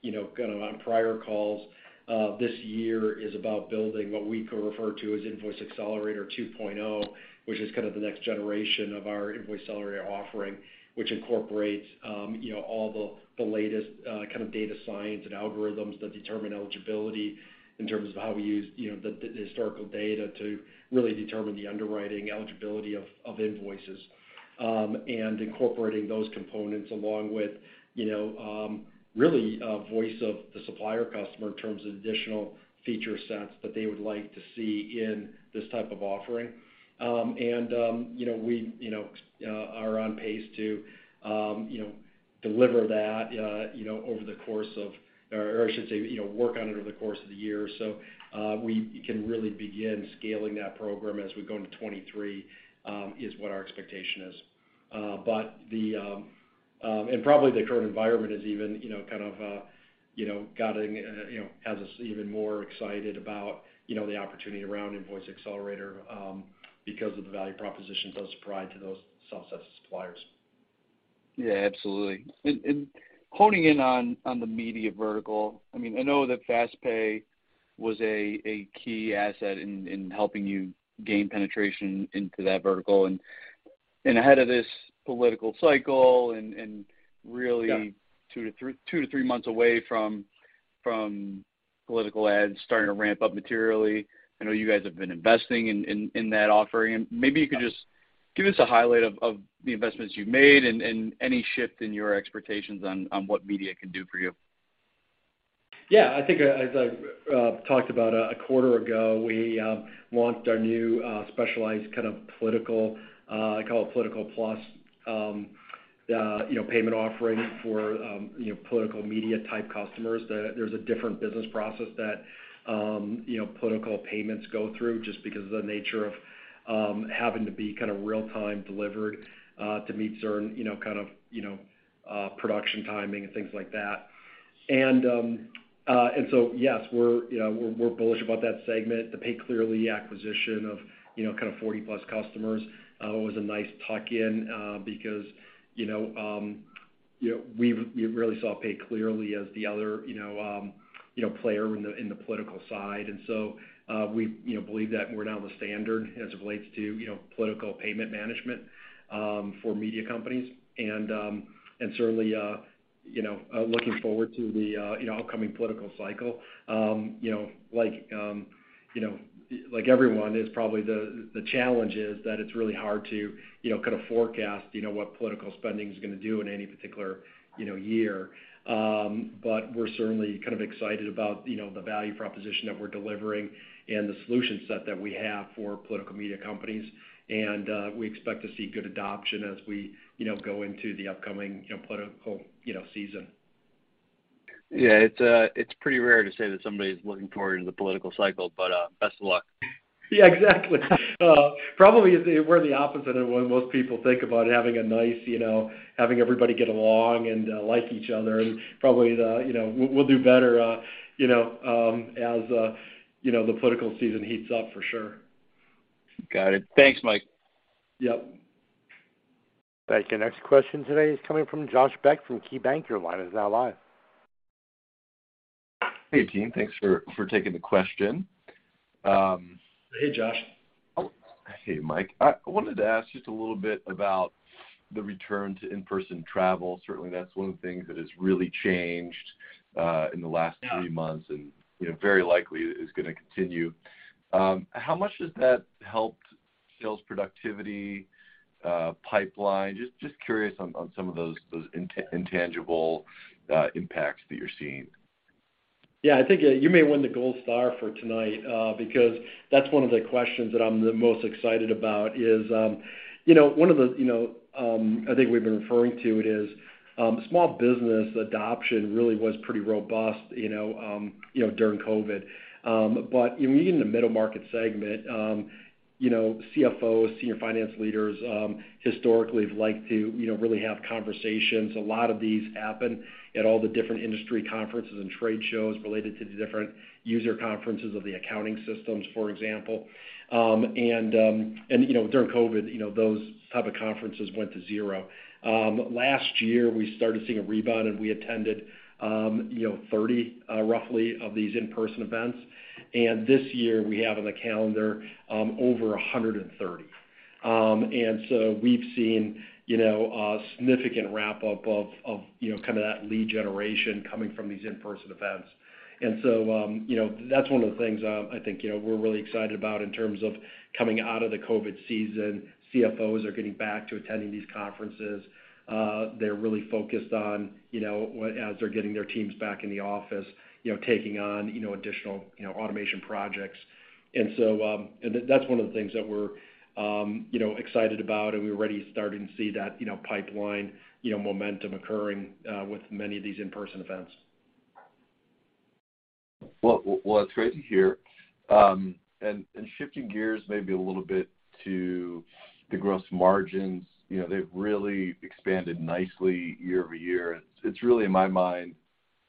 you know, kind of on prior calls, this year is about building what we could refer to as Invoice Accelerator 2.0, which is kind of the next generation of our Invoice Accelerator offering, which incorporates, you know, all the latest, kind of data science and algorithms that determine eligibility in terms of how we use, you know, the historical data to really determine the underwriting eligibility of invoices. incorporating those components along with, you know, really, voice of the supplier customer in terms of additional feature sets that they would like to see in this type of offering. You know, we are on pace to work on it over the course of the year. We can really begin scaling that program as we go into 2023 is what our expectation is. Probably the current environment is even, you know, kind of guiding us even more excited about, you know, the opportunity around Invoice Accelerator, because of the value proposition it does provide to those subsets of suppliers. Yeah, absolutely. Honing in on the media vertical, I mean, I know that FastPay was a key asset in helping you gain penetration into that vertical ahead of this political cycle. Yeah 2-3 months away from political ads starting to ramp up materially. I know you guys have been investing in that offering. Maybe you could just give us a highlight of the investments you've made and any shift in your expectations on what media can do for you. Yeah. I think as I talked about a quarter ago, we launched our new specialized kind of political. I call it Political+, you know, payment offering for you know political media type customers. There's a different business process that you know political payments go through just because of the nature of having to be kind of real time delivered to meet certain you know kind of production timing and things like that. Yes, we're, you know, bullish about that segment. The PayClearly acquisition of you know kind of 40+ customers was a nice tuck in because you know we've we really saw PayClearly as the other you know player in the political side. We, you know, believe that we're now the standard as it relates to, you know, political payment management for media companies. Certainly, you know, looking forward to the, you know, upcoming political cycle. You know, like, you know, like, everyone is probably, the challenge is that it's really hard to, you know, kind of forecast, you know, what political spending is gonna do in any particular, you know, year. We're certainly kind of excited about, you know, the value proposition that we're delivering and the solution set that we have for political media companies. We expect to see good adoption as we, you know, go into the upcoming, you know, political, you know, season. Yeah. It's pretty rare to say that somebody's looking forward to the political cycle, but best of luck. Yeah, exactly. Probably we're the opposite of what most people think about having a nice, you know, having everybody get along and, like each other, and probably the, you know, we'll do better, you know, as you know, the political season heats up for sure. Got it. Thanks, Mike. Yep. Thank you. Next question today is coming from Josh Beck from KeyBanc. Your line is now live. Hey, team. Thanks for taking the question. Hey, Josh. Hey, Mike. I wanted to ask just a little bit about the return to in-person travel. Certainly, that's one of the things that has really changed in the last few months. Yeah You know, very likely is gonna continue. How much has that helped sales productivity, pipeline? Just curious on some of those intangible impacts that you're seeing. Yeah. I think you may win the gold star for tonight, because that's one of the questions that I'm the most excited about, you know, one of the things we've been referring to is small business adoption really was pretty robust, you know, during COVID. But when you get in the middle market segment, you know, CFOs, senior finance leaders, historically like to, you know, really have conversations. A lot of these happen at all the different industry conferences and trade shows related to the different user conferences of the accounting systems, for example, and during COVID, you know, those type of conferences went to zero. Last year, we started seeing a rebound, and we attended, you know, 30 roughly of these in-person events. This year, we have on the calendar over 130. We've seen, you know, a significant ramp-up of, you know, kind of that lead generation coming from these in-person events. That's one of the things, I think, you know, we're really excited about in terms of coming out of the COVID season. CFOs are getting back to attending these conferences. They're really focused on, you know, as they're getting their teams back in the office, you know, taking on, you know, additional, you know, automation projects. That's one of the things that we're, you know, excited about, and we're already starting to see that, you know, pipeline, you know, momentum occurring with many of these in-person events. Well, that's great to hear. Shifting gears maybe a little bit to the gross margins. You know, they've really expanded nicely year over year. It's really, in my mind,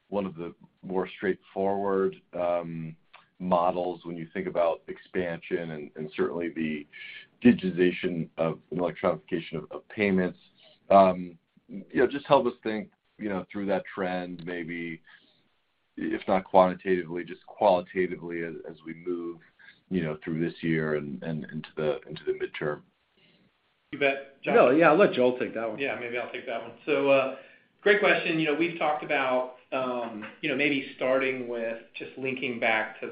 one of the more straightforward models when you think about expansion and certainly the digitization of and electrification of payments. You know, just help us think through that trend, maybe if not quantitatively, just qualitatively as we move through this year and into the midterm. You bet. Josh- No. Yeah. I'll let Joel take that one. Yeah. Maybe I'll take that one. Great question. You know, we've talked about, you know, maybe starting with just linking back to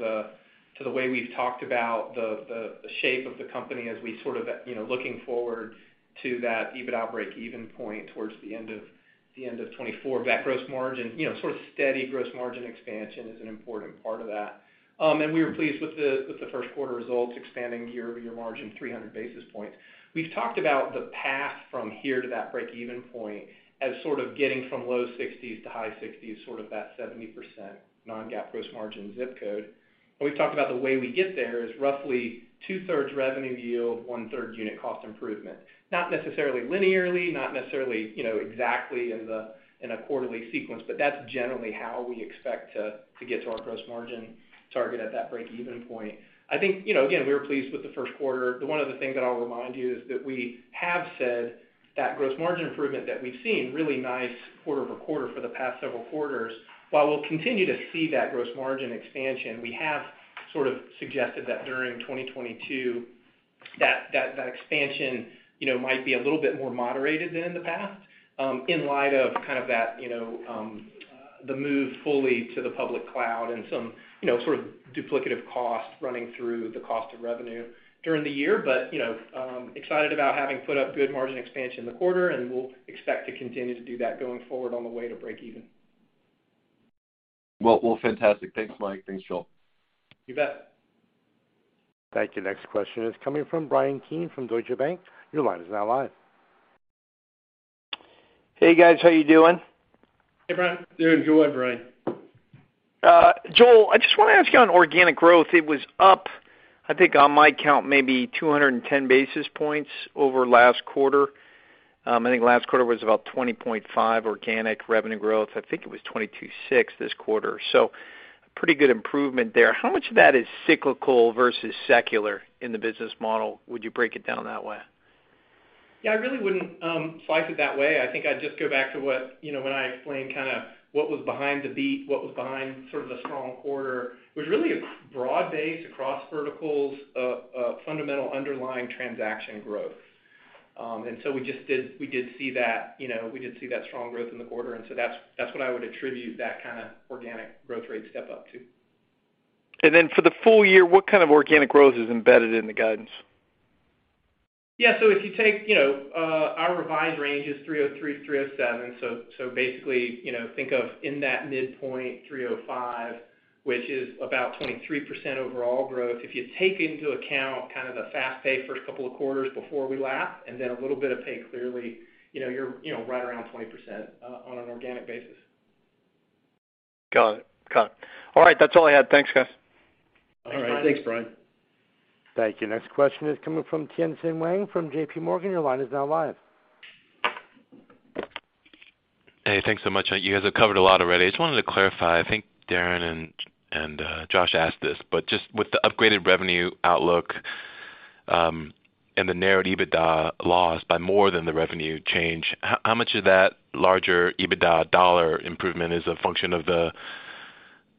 the way we've talked about the shape of the company as we sort of, you know, looking forward to that EBITDA breakeven point towards the end of 2024. That gross margin, you know, sort of steady gross margin expansion is an important part of that. We were pleased with the first quarter results expanding year-over-year margin 300 basis points. We've talked about the path from here to that breakeven point as sort of getting from low 60s to high 60s, sort of that 70% non-GAAP gross margin ZIP code. We've talked about the way we get there is roughly 2/3 revenue yield, 1/3 unit cost improvement. Not necessarily linearly, not necessarily, you know, exactly in a quarterly sequence, but that's generally how we expect to get to our gross margin target at that breakeven point. I think, you know, again, we were pleased with the first quarter. The one other thing that I'll remind you is that we have said that gross margin improvement that we've seen, really nice quarter-over-quarter for the past several quarters. While we'll continue to see that gross margin expansion, we have sort of suggested that during 2022. That expansion, you know, might be a little bit more moderated than in the past, in light of kind of that, you know, the move fully to the public cloud and some, you know, sort of duplicative costs running through the cost of revenue during the year. You know, excited about having put up good margin expansion in the quarter, and we'll expect to continue to do that going forward on the way to break even. Well, well, fantastic. Thanks, Mike. Thanks, Joel. You bet. Thank you. Next question is coming from Bryan Keane from Deutsche Bank. Your line is now live. Hey, guys. How you doing? Hey, Bryan. Doing good, Bryan. Joel, I just wanna ask you on organic growth. It was up, I think on my count, maybe 210 basis points over last quarter. I think last quarter was about 20.5% organic revenue growth. I think it was 22.6% this quarter. Pretty good improvement there. How much of that is cyclical versus secular in the business model? Would you break it down that way? Yeah, I really wouldn't slice it that way. I think I'd just go back to what, you know, when I explained kinda what was behind the beat, what was behind sort of the strong quarter. It was really a broad base across verticals, fundamental underlying transaction growth. We did see that, you know, we did see that strong growth in the quarter, and so that's what I would attribute that kinda organic growth rate step-up to. For the full year, what kind of organic growth is embedded in the guidance? Yeah. If you take, you know, our revised range is $303-$307. Basically, you know, think of in that midpoint, $305, which is about 23% overall growth. If you take into account kind of the FastPay first couple of quarters before we lap and then a little bit of PayClearly, you know, you're, you know, right around 20% on an organic basis. Got it. All right. That's all I had. Thanks, guys. Thanks, Brian. All right. Thanks, Bryan. Thank you. Next question is coming from Tien-Tsin Huang from JPMorgan. Your line is now live. Hey, thanks so much. You guys have covered a lot already. I just wanted to clarify. I think Darrin and Josh asked this, but just with the upgraded revenue outlook, and the narrowed EBITDA loss by more than the revenue change, how much of that larger EBITDA dollar improvement is a function of the,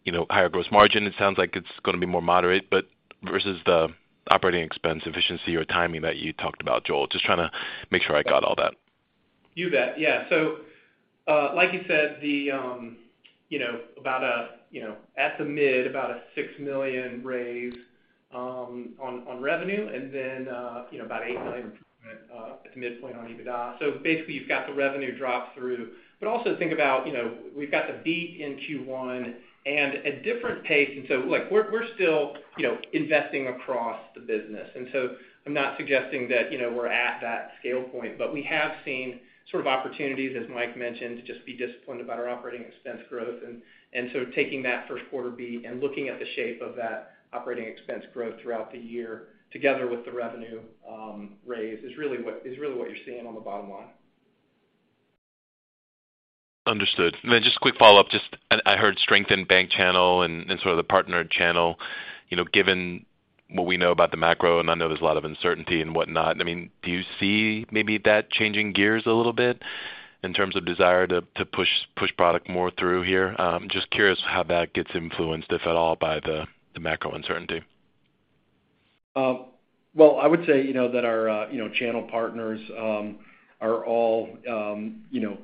you know, higher gross margin? It sounds like it's gonna be more moderate, but versus the operating expense efficiency or timing that you talked about, Joel. Just trying to make sure I got all that. You bet. Yeah. Like you said, you know, about a $6 million raise at the midpoint on revenue and then about $8 million at the midpoint on EBITDA. Basically, you've got the revenue drop through. Also think about, you know, we've got the beat in Q1 and a different pace. Look, we're still, you know, investing across the business. I'm not suggesting that, you know, we're at that scale point, but we have seen sort of opportunities, as Mike mentioned, to just be disciplined about our operating expense growth. Taking that first quarter beat and looking at the shape of that operating expense growth throughout the year together with the revenue raise is really what you're seeing on the bottom line. Understood. Then just quick follow-up. Just I heard strength in bank channel and sort of the partner channel. You know, given what we know about the macro, and I know there's a lot of uncertainty and whatnot. I mean, do you see maybe that changing gears a little bit in terms of desire to push product more through here? Just curious how that gets influenced, if at all, by the macro uncertainty. Well, I would say, you know, that our channel partners are all, you know,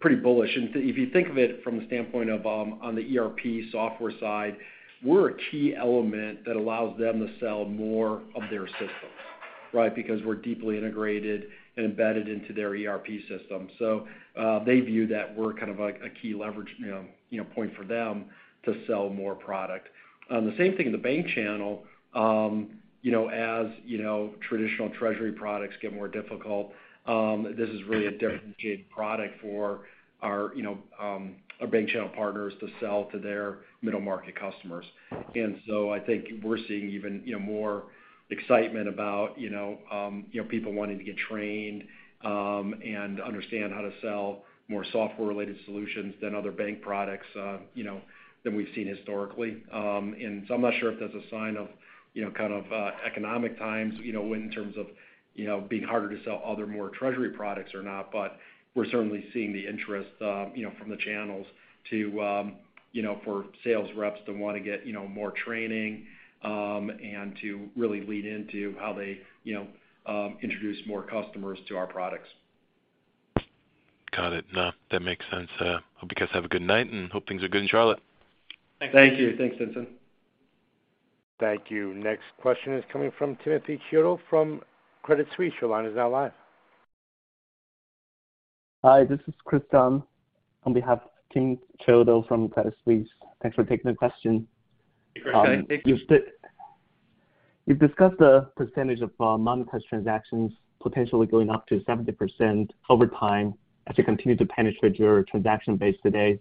pretty bullish. If you think of it from the standpoint of on the ERP software side, we're a key element that allows them to sell more of their systems, right? Because we're deeply integrated and embedded into their ERP system. They view that we're kind of a key leverage, you know, point for them to sell more product. The same thing in the bank channel. You know, as you know, traditional treasury products get more difficult, this is really a differentiated product for our, you know, our bank channel partners to sell to their middle-market customers. I think we're seeing even, you know, more excitement about, you know, people wanting to get trained, and understand how to sell more software-related solutions than other bank products, you know, than we've seen historically. I'm not sure if that's a sign of, you know, kind of, economic times, you know, in terms of, you know, being harder to sell other more treasury products or not, but we're certainly seeing the interest, you know, from the channels to, you know, for sales reps to wanna get, you know, more training, and to really lean into how they, you know, introduce more customers to our products. Got it. No, that makes sense. Hope you guys have a good night and hope things are good in Charlotte. Thanks. Thank you. Thanks, Tien-Tsin. Thank you. Next question is coming from Timothy Chiodo from Credit Suisse. Your line is now live. Hi, this is Chris Tang on behalf of Tim Chiodo from Credit Suisse. Thanks for taking the question. Hey, Chris. How are you? You've discussed the percentage of monetized transactions potentially going up to 70% over time as you continue to penetrate your transaction base today.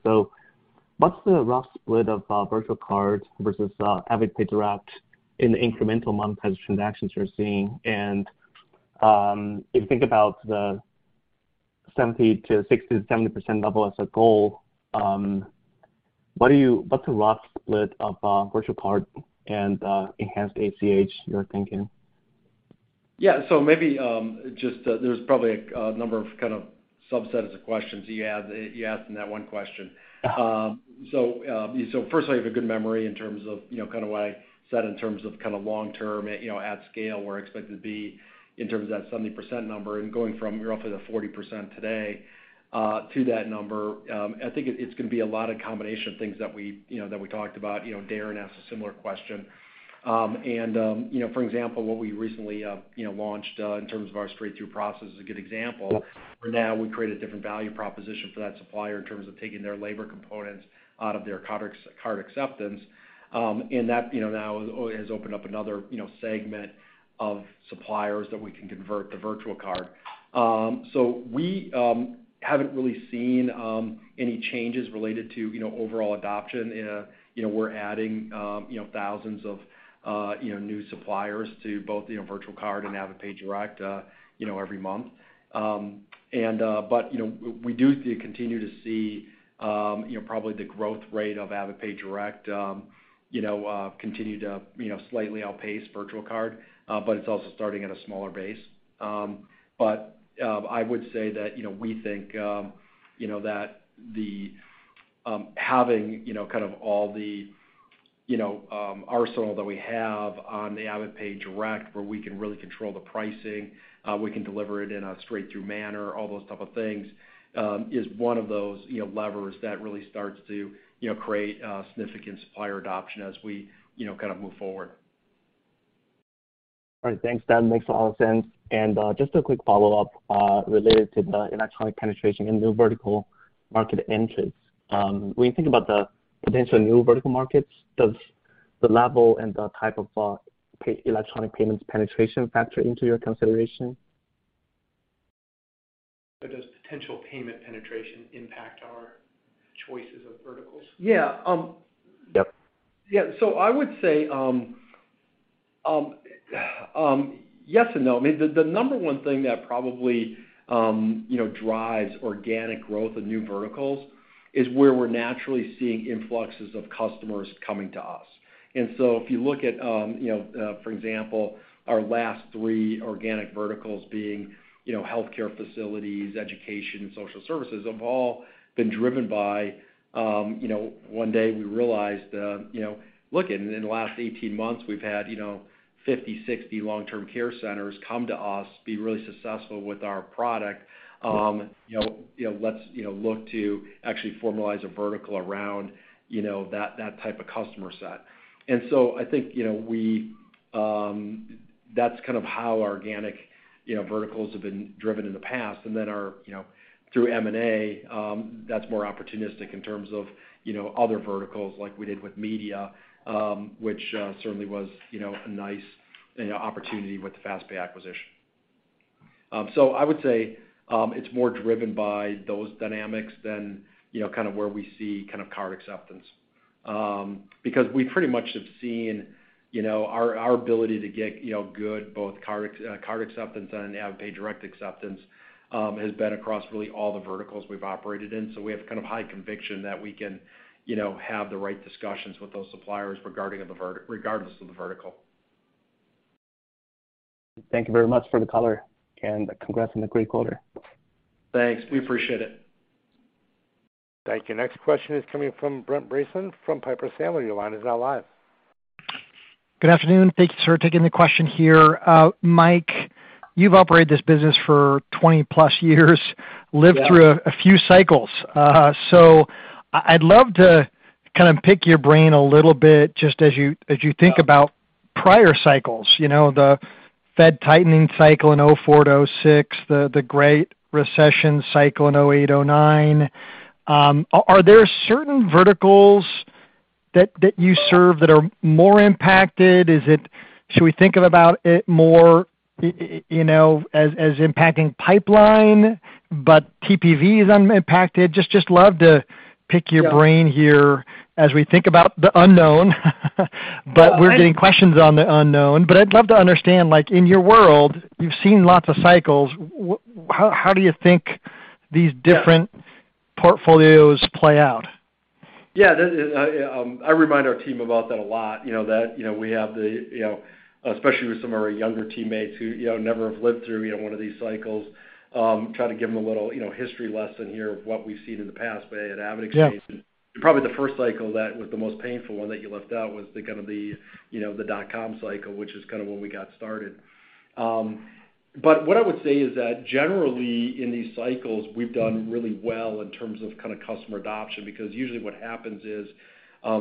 What's the rough split of virtual card versus AvidPay route in the incremental monetized transactions you're seeing? If you think about the 60%-70% level as a goal, what's the rough split of virtual card and enhanced ACH you're thinking? Yeah. Maybe, just, there's probably a number of kind of. Subsets of questions you had, you asked in that one question. Yeah. First, you have a good memory in terms of, you know, kind of what I said in terms of kind of long term, you know, at scale, where I expect it to be in terms of that 70% number and going from roughly the 40% today to that number. I think it's gonna be a lot of combination of things that we, you know, that we talked about. You know, Darrin asked a similar question. For example, what we recently, you know, launched in terms of our straight-through process is a good example. For now, we created a different value proposition for that supplier in terms of taking their labor components out of their card acceptance. That now has opened up another segment of suppliers that we can convert to virtual card. We haven't really seen any changes related to overall adoption. We're adding thousands of new suppliers to both virtual card and AvidPay Direct every month. We do continue to see the growth rate of AvidPay Direct continue to slightly outpace virtual card, but it's also starting at a smaller base. I would say that, you know, we think, you know, that the having, you know, kind of all the, you know, arsenal that we have on the AvidPay Direct, where we can really control the pricing, we can deliver it in a straight-through manner, all those type of things, is one of those, you know, levers that really starts to, you know, create significant supplier adoption as we, you know, kind of move forward. All right. Thanks. That makes a lot of sense. Just a quick follow-up related to the electronic penetration and new vertical market entries. When you think about the potential new vertical markets, does the level and the type of electronic payments penetration factor into your consideration? Does potential payment penetration impact our choices of verticals? Yeah, Yep. Yeah. I would say, yes and no. I mean the number one thing that probably, you know, drives organic growth of new verticals is where we're naturally seeing influxes of customers coming to us. If you look at, you know, for example, our last three organic verticals being, you know, healthcare facilities, education, social services, have all been driven by, you know, one day we realized, you know, look in the last 18 months we've had, you know, 50, 60 long-term care centers come to us, be really successful with our product. You know, let's, you know, look to actually formalize a vertical around, you know, that type of customer set. I think, you know, we, that's kind of how organic, you know, verticals have been driven in the past. Our you know, through M&A, that's more opportunistic in terms of, you know, other verticals like we did with media, which certainly was, you know, a nice opportunity with the FastPay acquisition. I would say it's more driven by those dynamics than, you know, kind of where we see kind of card acceptance. Because we pretty much have seen, you know, our ability to get, you know, good both card acceptance and AvidPay Direct acceptance has been across really all the verticals we've operated in. We have kind of high conviction that we can, you know, have the right discussions with those suppliers, regardless of the vertical. Thank you very much for the color and congrats on the great quarter. Thanks. We appreciate it. Thank you. Next question is coming from Brent Bracelin from Piper Sandler. Your line is now live. Good afternoon. Thank you for taking the question here. Mike, you've operated this business for 20+ years, lived- Yeah. Through a few cycles. I'd love to kind of pick your brain a little bit just as you. Sure. As you think about prior cycles. You know, the Fed tightening cycle in 2004 to 2006, the Great Recession cycle in 2008, 2009. Are there certain verticals that you serve that are more impacted? Should we think about it more, you know, as impacting pipeline, but TPV is unimpacted? Just love to pick your- Yeah. Brian here as we think about the unknown, but we're getting questions on the unknown. I'd love to understand, like in your world, you've seen lots of cycles. How do you think these different- Yeah. Portfolios play out? Yeah. I remind our team about that a lot, you know, that, you know, we have the, you know, especially with some of our younger teammates who, you know, never have lived through, you know, one of these cycles, try to give them a little, you know, history lesson here of what we've seen in the past, but at AvidXchange. Yeah. Probably the first cycle that was the most painful one that you left out was the kind of, you know, the dot-com cycle, which is kind of when we got started. What I would say is that generally in these cycles, we've done really well in terms of kind of customer adoption, because usually what happens is,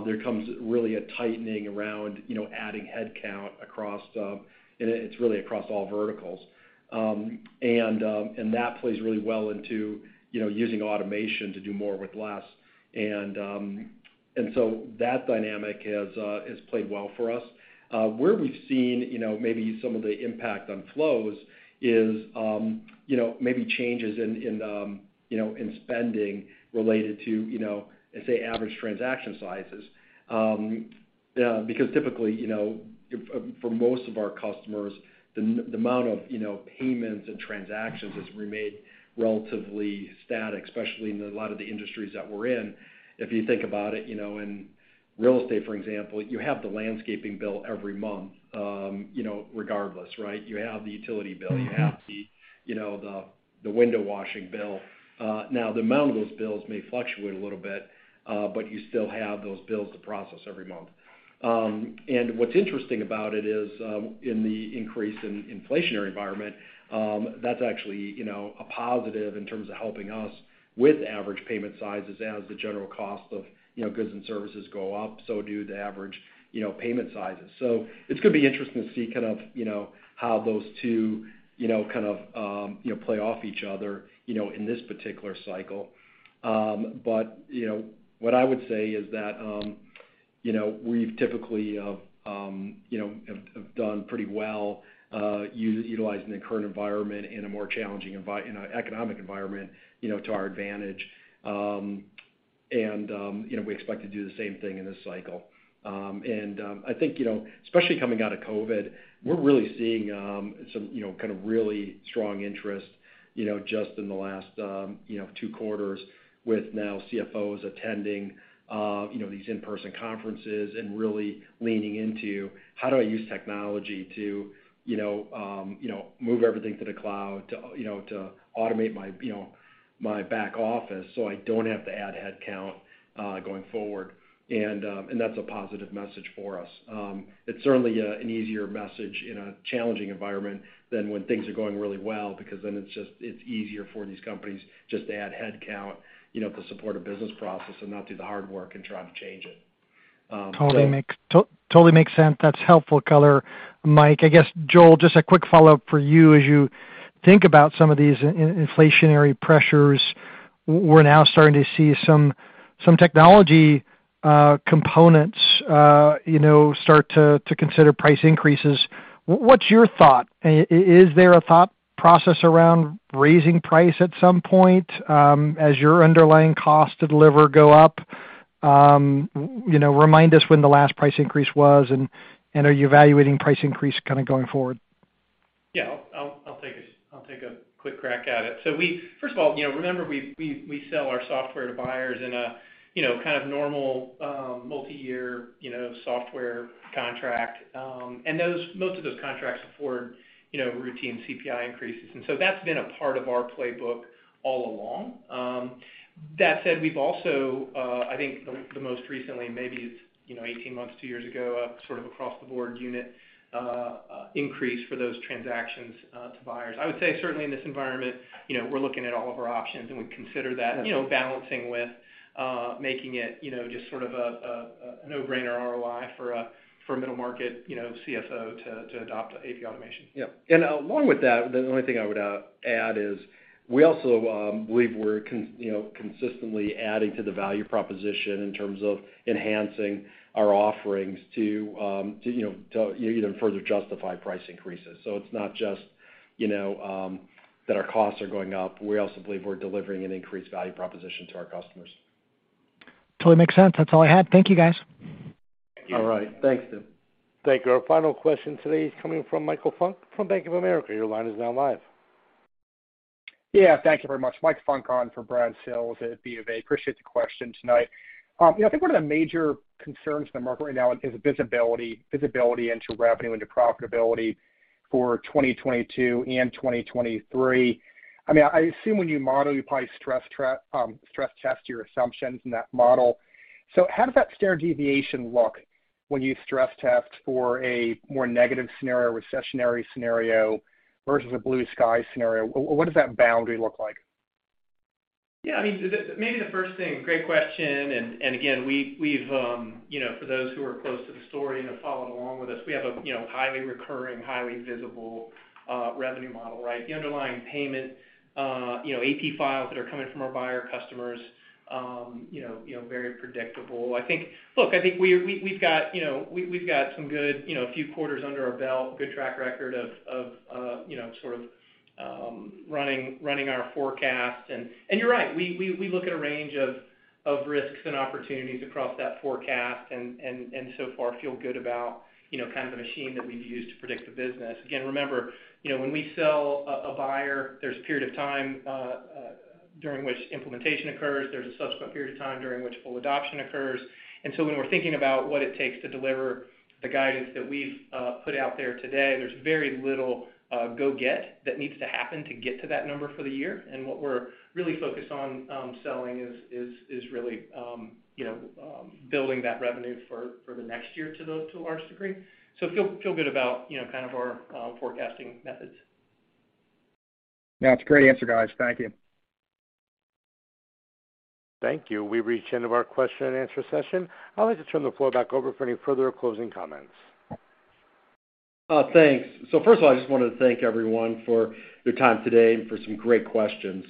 there comes really a tightening around, you know, adding headcount across. It's really across all verticals. That plays really well into, you know, using automation to do more with less. That dynamic has played well for us. Where we've seen, you know, maybe some of the impact on flows is, you know, maybe changes in, you know, in spending related to, you know, let's say average transaction sizes. Yeah, because typically, you know, if for most of our customers, the amount of, you know, payments and transactions has remained relatively static, especially in a lot of the industries that we're in. If you think about it, you know, in real estate, for example, you have the landscaping bill every month, you know, regardless, right? You have the utility bill. You have the window washing bill, you know. Now, the amount of those bills may fluctuate a little bit, but you still have those bills to process every month. What's interesting about it is, in the increasing inflationary environment, that's actually, you know, a positive in terms of helping us with average payment sizes. As the general cost of, you know, goods and services go up, so do the average, you know, payment sizes. It's gonna be interesting to see kind of, you know, how those two, you know, kind of, you know, play off each other, you know, in this particular cycle. You know, what I would say is that, you know, we've typically, you know, have done pretty well, us utilizing the current environment in a more challenging economic environment, you know, to our advantage. You know, we expect to do the same thing in this cycle. I think, you know, especially coming out of COVID, we're really seeing some, you know, kind of really strong interest, you know, just in the last two quarters with now CFOs attending these in-person conferences and really leaning into how do I use technology to, you know, move everything to the cloud, to automate my back office, so I don't have to add headcount going forward. That's a positive message for us. It's certainly an easier message in a challenging environment than when things are going really well, because then it's just easier for these companies just to add headcount, you know, to support a business process and not do the hard work and try to change it. Totally makes sense. That's helpful color, Mike. I guess, Joel, just a quick follow-up for you. As you think about some of these inflationary pressures, we're now starting to see some technology components, you know, start to consider price increases. What's your thought? Is there a thought process around raising price at some point, as your underlying cost to deliver go up? You know, remind us when the last price increase was, and are you evaluating price increase kinda going forward? Yeah. I'll take a quick crack at it. First of all, you know, remember, we sell our software to buyers in a, you know, kind of normal, multi-year, you know, software contract. Most of those contracts afford, you know, routine CPI increases. That's been a part of our playbook all along. That said, we've also, I think the most recently, maybe it's, you know, 18 months, 2 years ago, a sort of across the board unit increase for those transactions to buyers. I would say certainly in this environment, you know, we're looking at all of our options, and we consider that, you know, balancing with making it, you know, just sort of a no-brainer ROI for a middle market, you know, CFO to adopt AP automation. Yeah. Along with that, the only thing I would add is we also believe we're consistently adding to the value proposition in terms of enhancing our offerings to, you know, even further justify price increases. It's not just, you know, that our costs are going up. We also believe we're delivering an increased value proposition to our customers. Totally makes sense. That's all I had. Thank you, guys. Thank you. All right. Thanks, Tim. Thank you. Our final question today is coming from Michael Funk from Bank of America. Your line is now live. Thank you very much. Michael Funk on for Brad Sills at BofA. Appreciate the question tonight. You know, I think one of the major concerns in the market right now is visibility into revenue, into profitability for 2022 and 2023. I mean, I assume when you model, you probably stress test your assumptions in that model. How does that standard deviation look when you stress test for a more negative scenario, recessionary scenario versus a blue sky scenario? What does that boundary look like? Yeah. I mean, maybe the first thing. Great question. Again, we've, you know, for those who are close to the story and have followed along with us, we have a, you know, highly recurring, highly visible, revenue model, right? The underlying payment, you know, AP files that are coming from our buyer customers, you know, very predictable. I think. Look, I think we've got, you know, we've got some good, you know, a few quarters under our belt, good track record of, you know, sort of, running our forecast. You're right. We look at a range of risks and opportunities across that forecast and so far feel good about, you know, kind of the machine that we've used to predict the business. Again, remember, you know, when we sell a buyer, there's a period of time during which implementation occurs. There's a subsequent period of time during which full adoption occurs. When we're thinking about what it takes to deliver the guidance that we've put out there today, there's very little go get that needs to happen to get to that number for the year. What we're really focused on selling is really you know building that revenue for the next year to a large degree. Feel good about, you know, kind of our forecasting methods. Yeah, it's a great answer, guys. Thank you. Thank you. We've reached the end of our question and answer session. I'd like to turn the floor back over for any further closing comments. Thanks. First of all, I just wanted to thank everyone for your time today and for some great questions.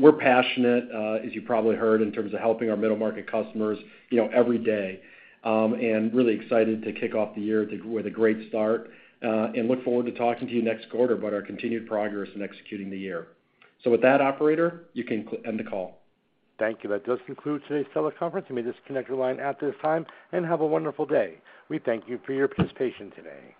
We're passionate, as you probably heard, in terms of helping our middle market customers, you know, every day. Really excited to kick off the year with a great start. Look forward to talking to you next quarter about our continued progress in executing the year. With that, operator, you can end the call. Thank you. That does conclude today's teleconference. You may disconnect your line at this time, and have a wonderful day. We thank you for your participation today.